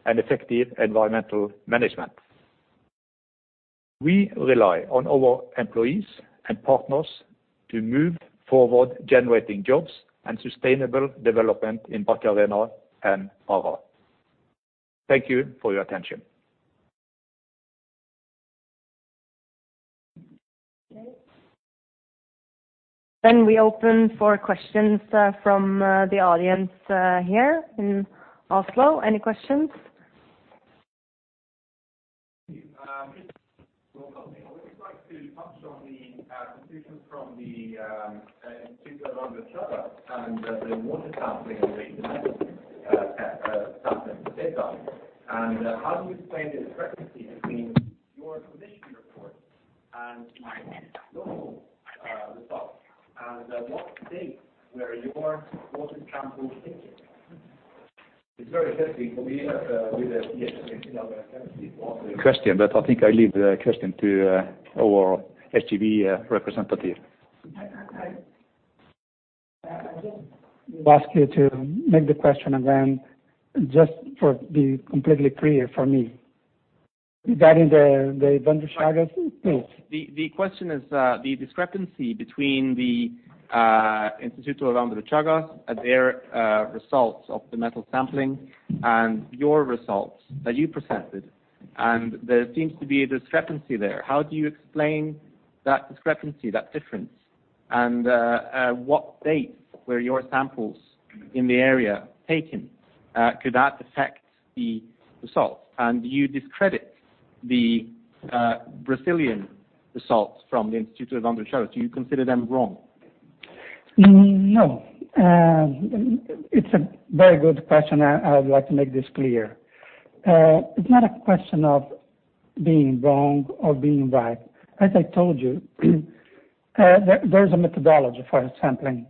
and effective environmental management. We rely on our employees and partners to move forward, generating jobs and sustainable development in Barcarena and Pará. Thank you for your attention. Okay. We open for questions, from, the audience, here in Oslo. Any questions? Well, good morning. I would just like to touch on the positions from the Instituto Evandro Chagas and the water sampling that they conducted at Sapucaia. How do you explain the discrepancy between your commission report and local results? What date were your water samples taken? It's very testing for me with the explanation of the question, but I think I leave the question to our SGW representative. I just would ask you to make the question again, just for be completely clear for me. Regarding the Instituto? Please. The question is the discrepancy between the Instituto Evandro Chagas and their results of the metal sampling and your results that you presented, and there seems to be a discrepancy there. How do you explain that discrepancy, that difference? What dates were your samples in the area taken? Could that affect the results? Do you discredit the Brazilian results from the Instituto Evandro Chagas? Do you consider them wrong? No. It's a very good question. I would like to make this clear. It's not a question of being wrong or being right. As I told you, there's a methodology for sampling.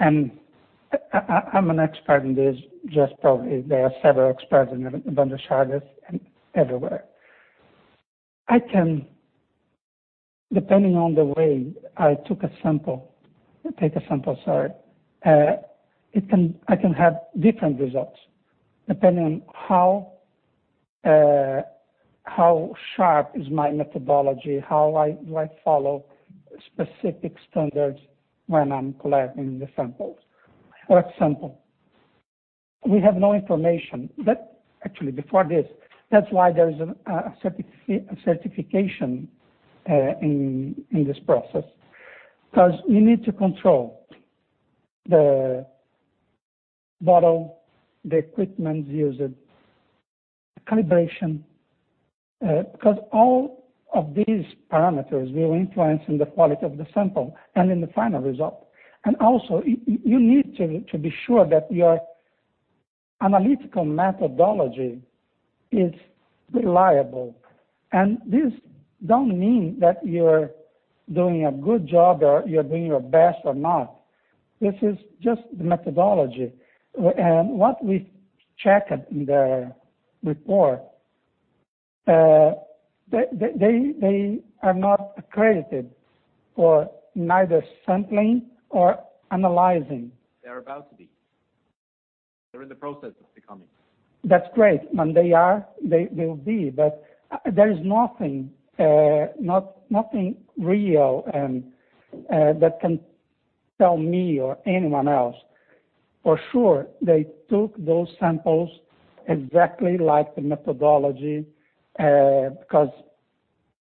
I'm an expert in this, just probably there are several experts in Instituto Evandro Chagas and everywhere. Depending on the way I took a sample, take a sample, sorry, I can have different results depending on how sharp is my methodology, how do I follow specific standards when I'm collecting the samples. For example, we have no information that. Actually, before this, that's why there is a certification in this process, 'cause you need to control the bottle, the equipment used, calibration, 'cause all of these parameters will influence in the quality of the sample and in the final result. Also, you need to be sure that your analytical methodology is reliable. This don't mean that you're doing a good job or you're doing your best or not. This is just the methodology. What we checked in the report, they are not accredited for neither sampling or analyzing. They're about to be. They're in the process of becoming. That's great. When they are, they'll be. There is nothing real and that can tell me or anyone else for sure they took those samples exactly like the methodology, because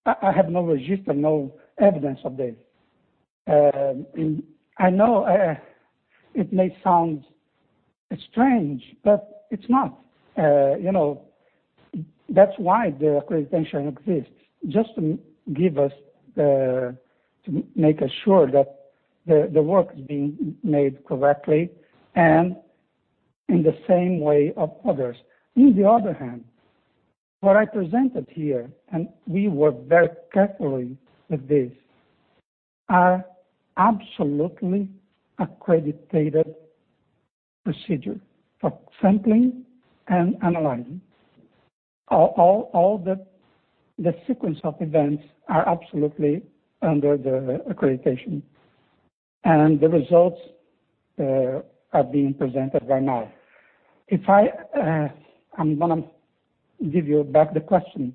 I have no register, no evidence of this. I know, it may sound strange, but it's not. That's why the accreditation exists, just to make us sure that the work is being made correctly and in the same way of others. On the other hand, what I presented here, and we were very careful with this, are absolutely accredited procedure for sampling and analyzing. All the sequence of events are absolutely under the accreditation, and the results are being presented right now. If I'm going to give you back the question.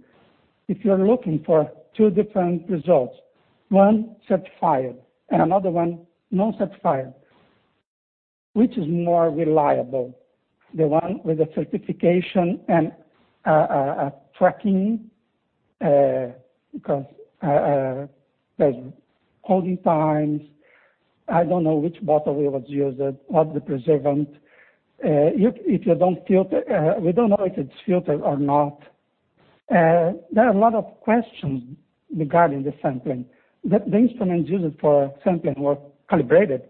If you're looking for two different results, one certified and another one non-certified, which is more reliable? The one with the certification and tracking because there's holding times. I don't know which bottle was used, what the preservant. If you don't filter, we don't know if it's filtered or not. There are a lot of questions regarding the sampling. The instruments used for sampling were calibrated.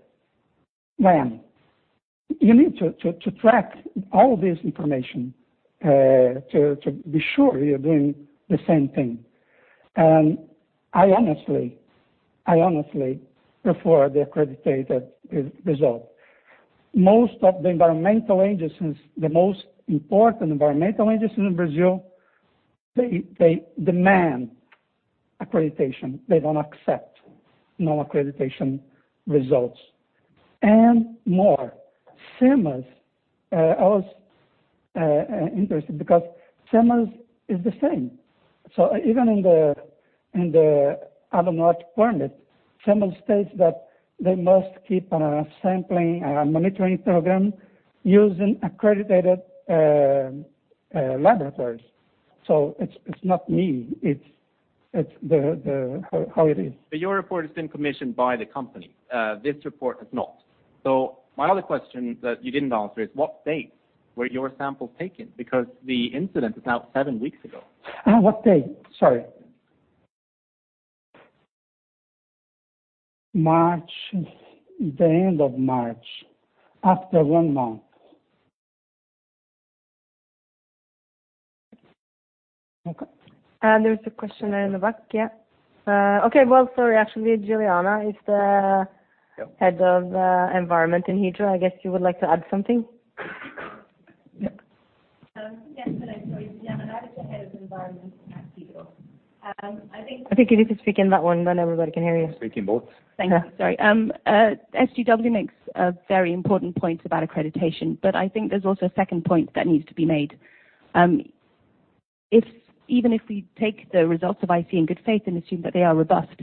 When? You need to track all this information to be sure you're doing the same thing. I honestly prefer the accredited re-result. Most of the environmental agencies, the most important environmental agencies in Brazil, they demand accreditation. They don't accept no accreditation results. More, SEMAS, I was interested because SEMAS is the same. Even in the, in the Alunorte permit, SEMAS states that they must keep a sampling, a monitoring program using accredited laboratories. It's not me, it's the how it is. Your report has been commissioned by the company. This report has not. My other question that you didn't answer is, what date were your samples taken? Because the incident was about seven weeks ago. What date? Sorry. March, the end of March. After one month. Okay. There's a question at the back. Yeah. Okay. Well, sorry. Actually, Juliana. Yeah. head of, environment in Hydro. I guess you would like to add something? Yeah, yes, hello. It's Juliana. I was the head of environment at Hydro. I think you need to speak in that one, then everybody can hear you. Speak in both. Thank you. Sorry. SGW makes a very important point about accreditation, I think there's also a second point that needs to be made. Even if we take the results of IC in good faith and assume that they are robust,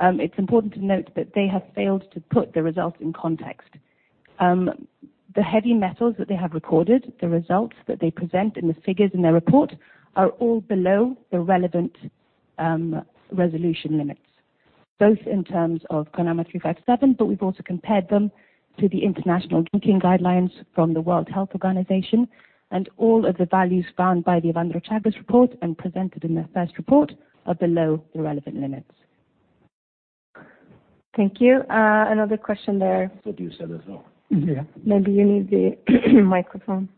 it's important to note that they have failed to put the results in context. The heavy metals that they have recorded, the results that they present, and the figures in their report are all below the relevant resolution limits, both in terms of CONAMA 357, we've also compared them to the international drinking guidelines from the World Health Organization. All of the values found by the Evandro Chagas report and presented in their first report are below the relevant limits. Thank you. Another question there. Do you set as well. Yeah. Maybe you need the microphone.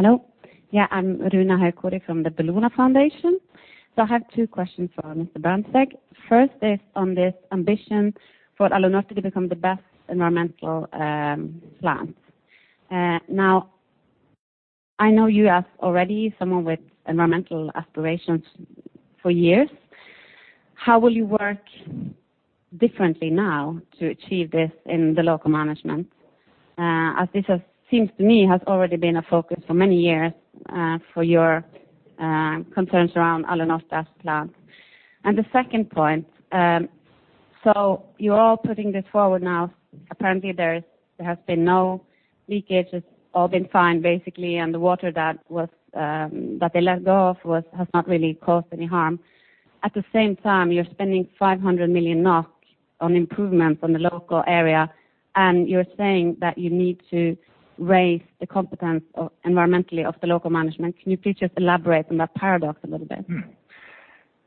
Hello. Yeah, I'm Runa Skarbø from the Bellona Foundation. I have two questions for Mr. Brandtzæg. First is on this ambition for Alunorte to become the best environmental plant. Now, I know you have already someone with environmental aspirations for years. How will you work differently now to achieve this in the local management? As this seems to me, has already been a focus for many years, for your concerns around Alunorte's plant. The second point, you're all putting this forward now. Apparently, there has been no leakage. It's all been fine, basically, and the water that was that they let go of has not really caused any harm. At the same time, you're spending 500 million NOK on improvements on the local area, and you're saying that you need to raise the competence of environmentally of the local management. Can you please just elaborate on that paradox a little bit?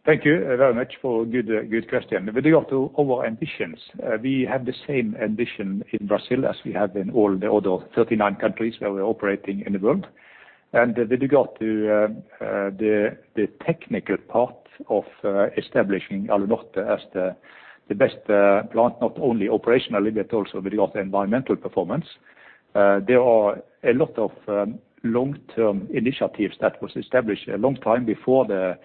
Thank you very much for good question. With regard to our ambitions, we have the same ambition in Brazil as we have in all the other 39 countries where we're operating in the world. With regard to the technical part of establishing Alunorte as the best plant, not only operationally, but also with regard to environmental performance, there are a lot of long-term initiatives that was established a long time before the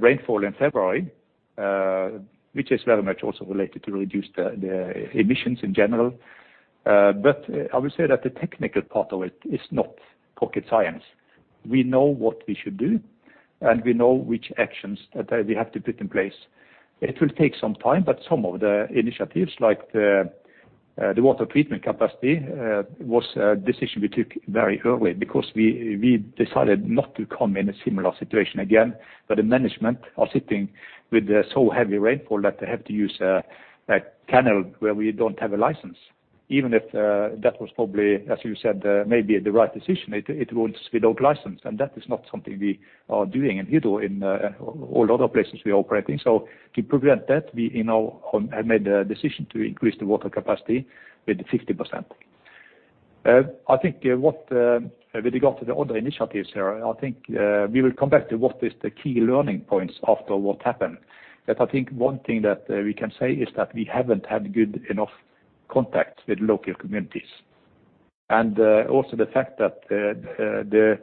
rainfall in February, which is very much also related to reduce the emissions in general. I would say that the technical part of it is not pocket science. We know what we should do, and we know which actions that we have to put in place. It will take some time, some of the initiatives, like the water treatment capacity, was a decision we took very early because we decided not to come in a similar situation again. The management are sitting with so heavy rainfall that they have to use a channel where we don't have a license, even if that was probably, as you said, maybe the right decision, it goes without license, and that is not something we are doing in Hydro in all other places we operate in. To prevent that, we now have made a decision to increase the water capacity with 50%. I think what with regard to the other initiatives here, I think we will come back to what is the key learning points after what happened. I think one thing that we can say is that we haven't had good enough contact with local communities. Also the fact that the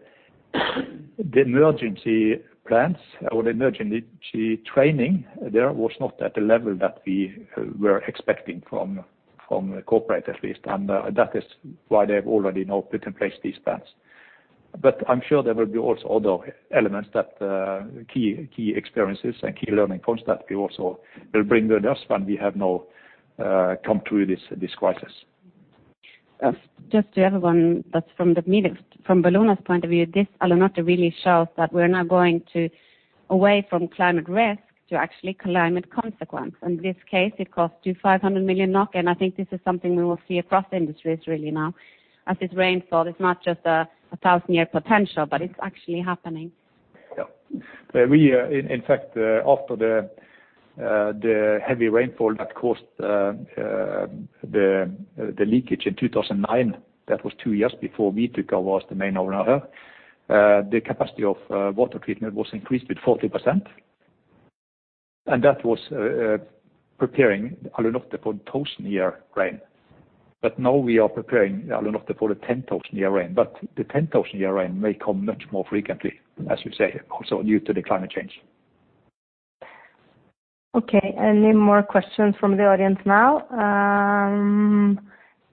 emergency plans or the emergency training there was not at the level that we were expecting from corporate at least. That is why they've already now put in place these plans. I'm sure there will be also other elements that key experiences and key learning points that we also will bring with us when we have now come through this crisis. Just to everyone that's from the media, from Bellona's point of view, this Alunorte really shows that we're now going to away from climate risk to actually climate consequence. In this case, it cost you 500 million NOK. I think this is something we will see across the industries really now, as this rainfall is not just a 1,000-year potential, but it's actually happening. Yeah. We, in fact, after the heavy rainfall that caused the leakage in 2009, that was two years before we took over as the main owner, the capacity of water treatment was increased with 40%. That was preparing Alunorte for a 1,000-year rain. Now we are preparing Alunorte for a 10,000-year rain. The 10,000-year rain may come much more frequently, as you say, also due to the climate change. Okay. Any more questions from the audience now?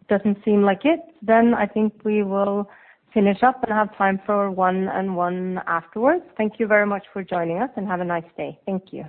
Doesn't seem like it. I think we will finish up and have time for one and one afterwards. Thank you very much for joining us, and have a nice day. Thank you.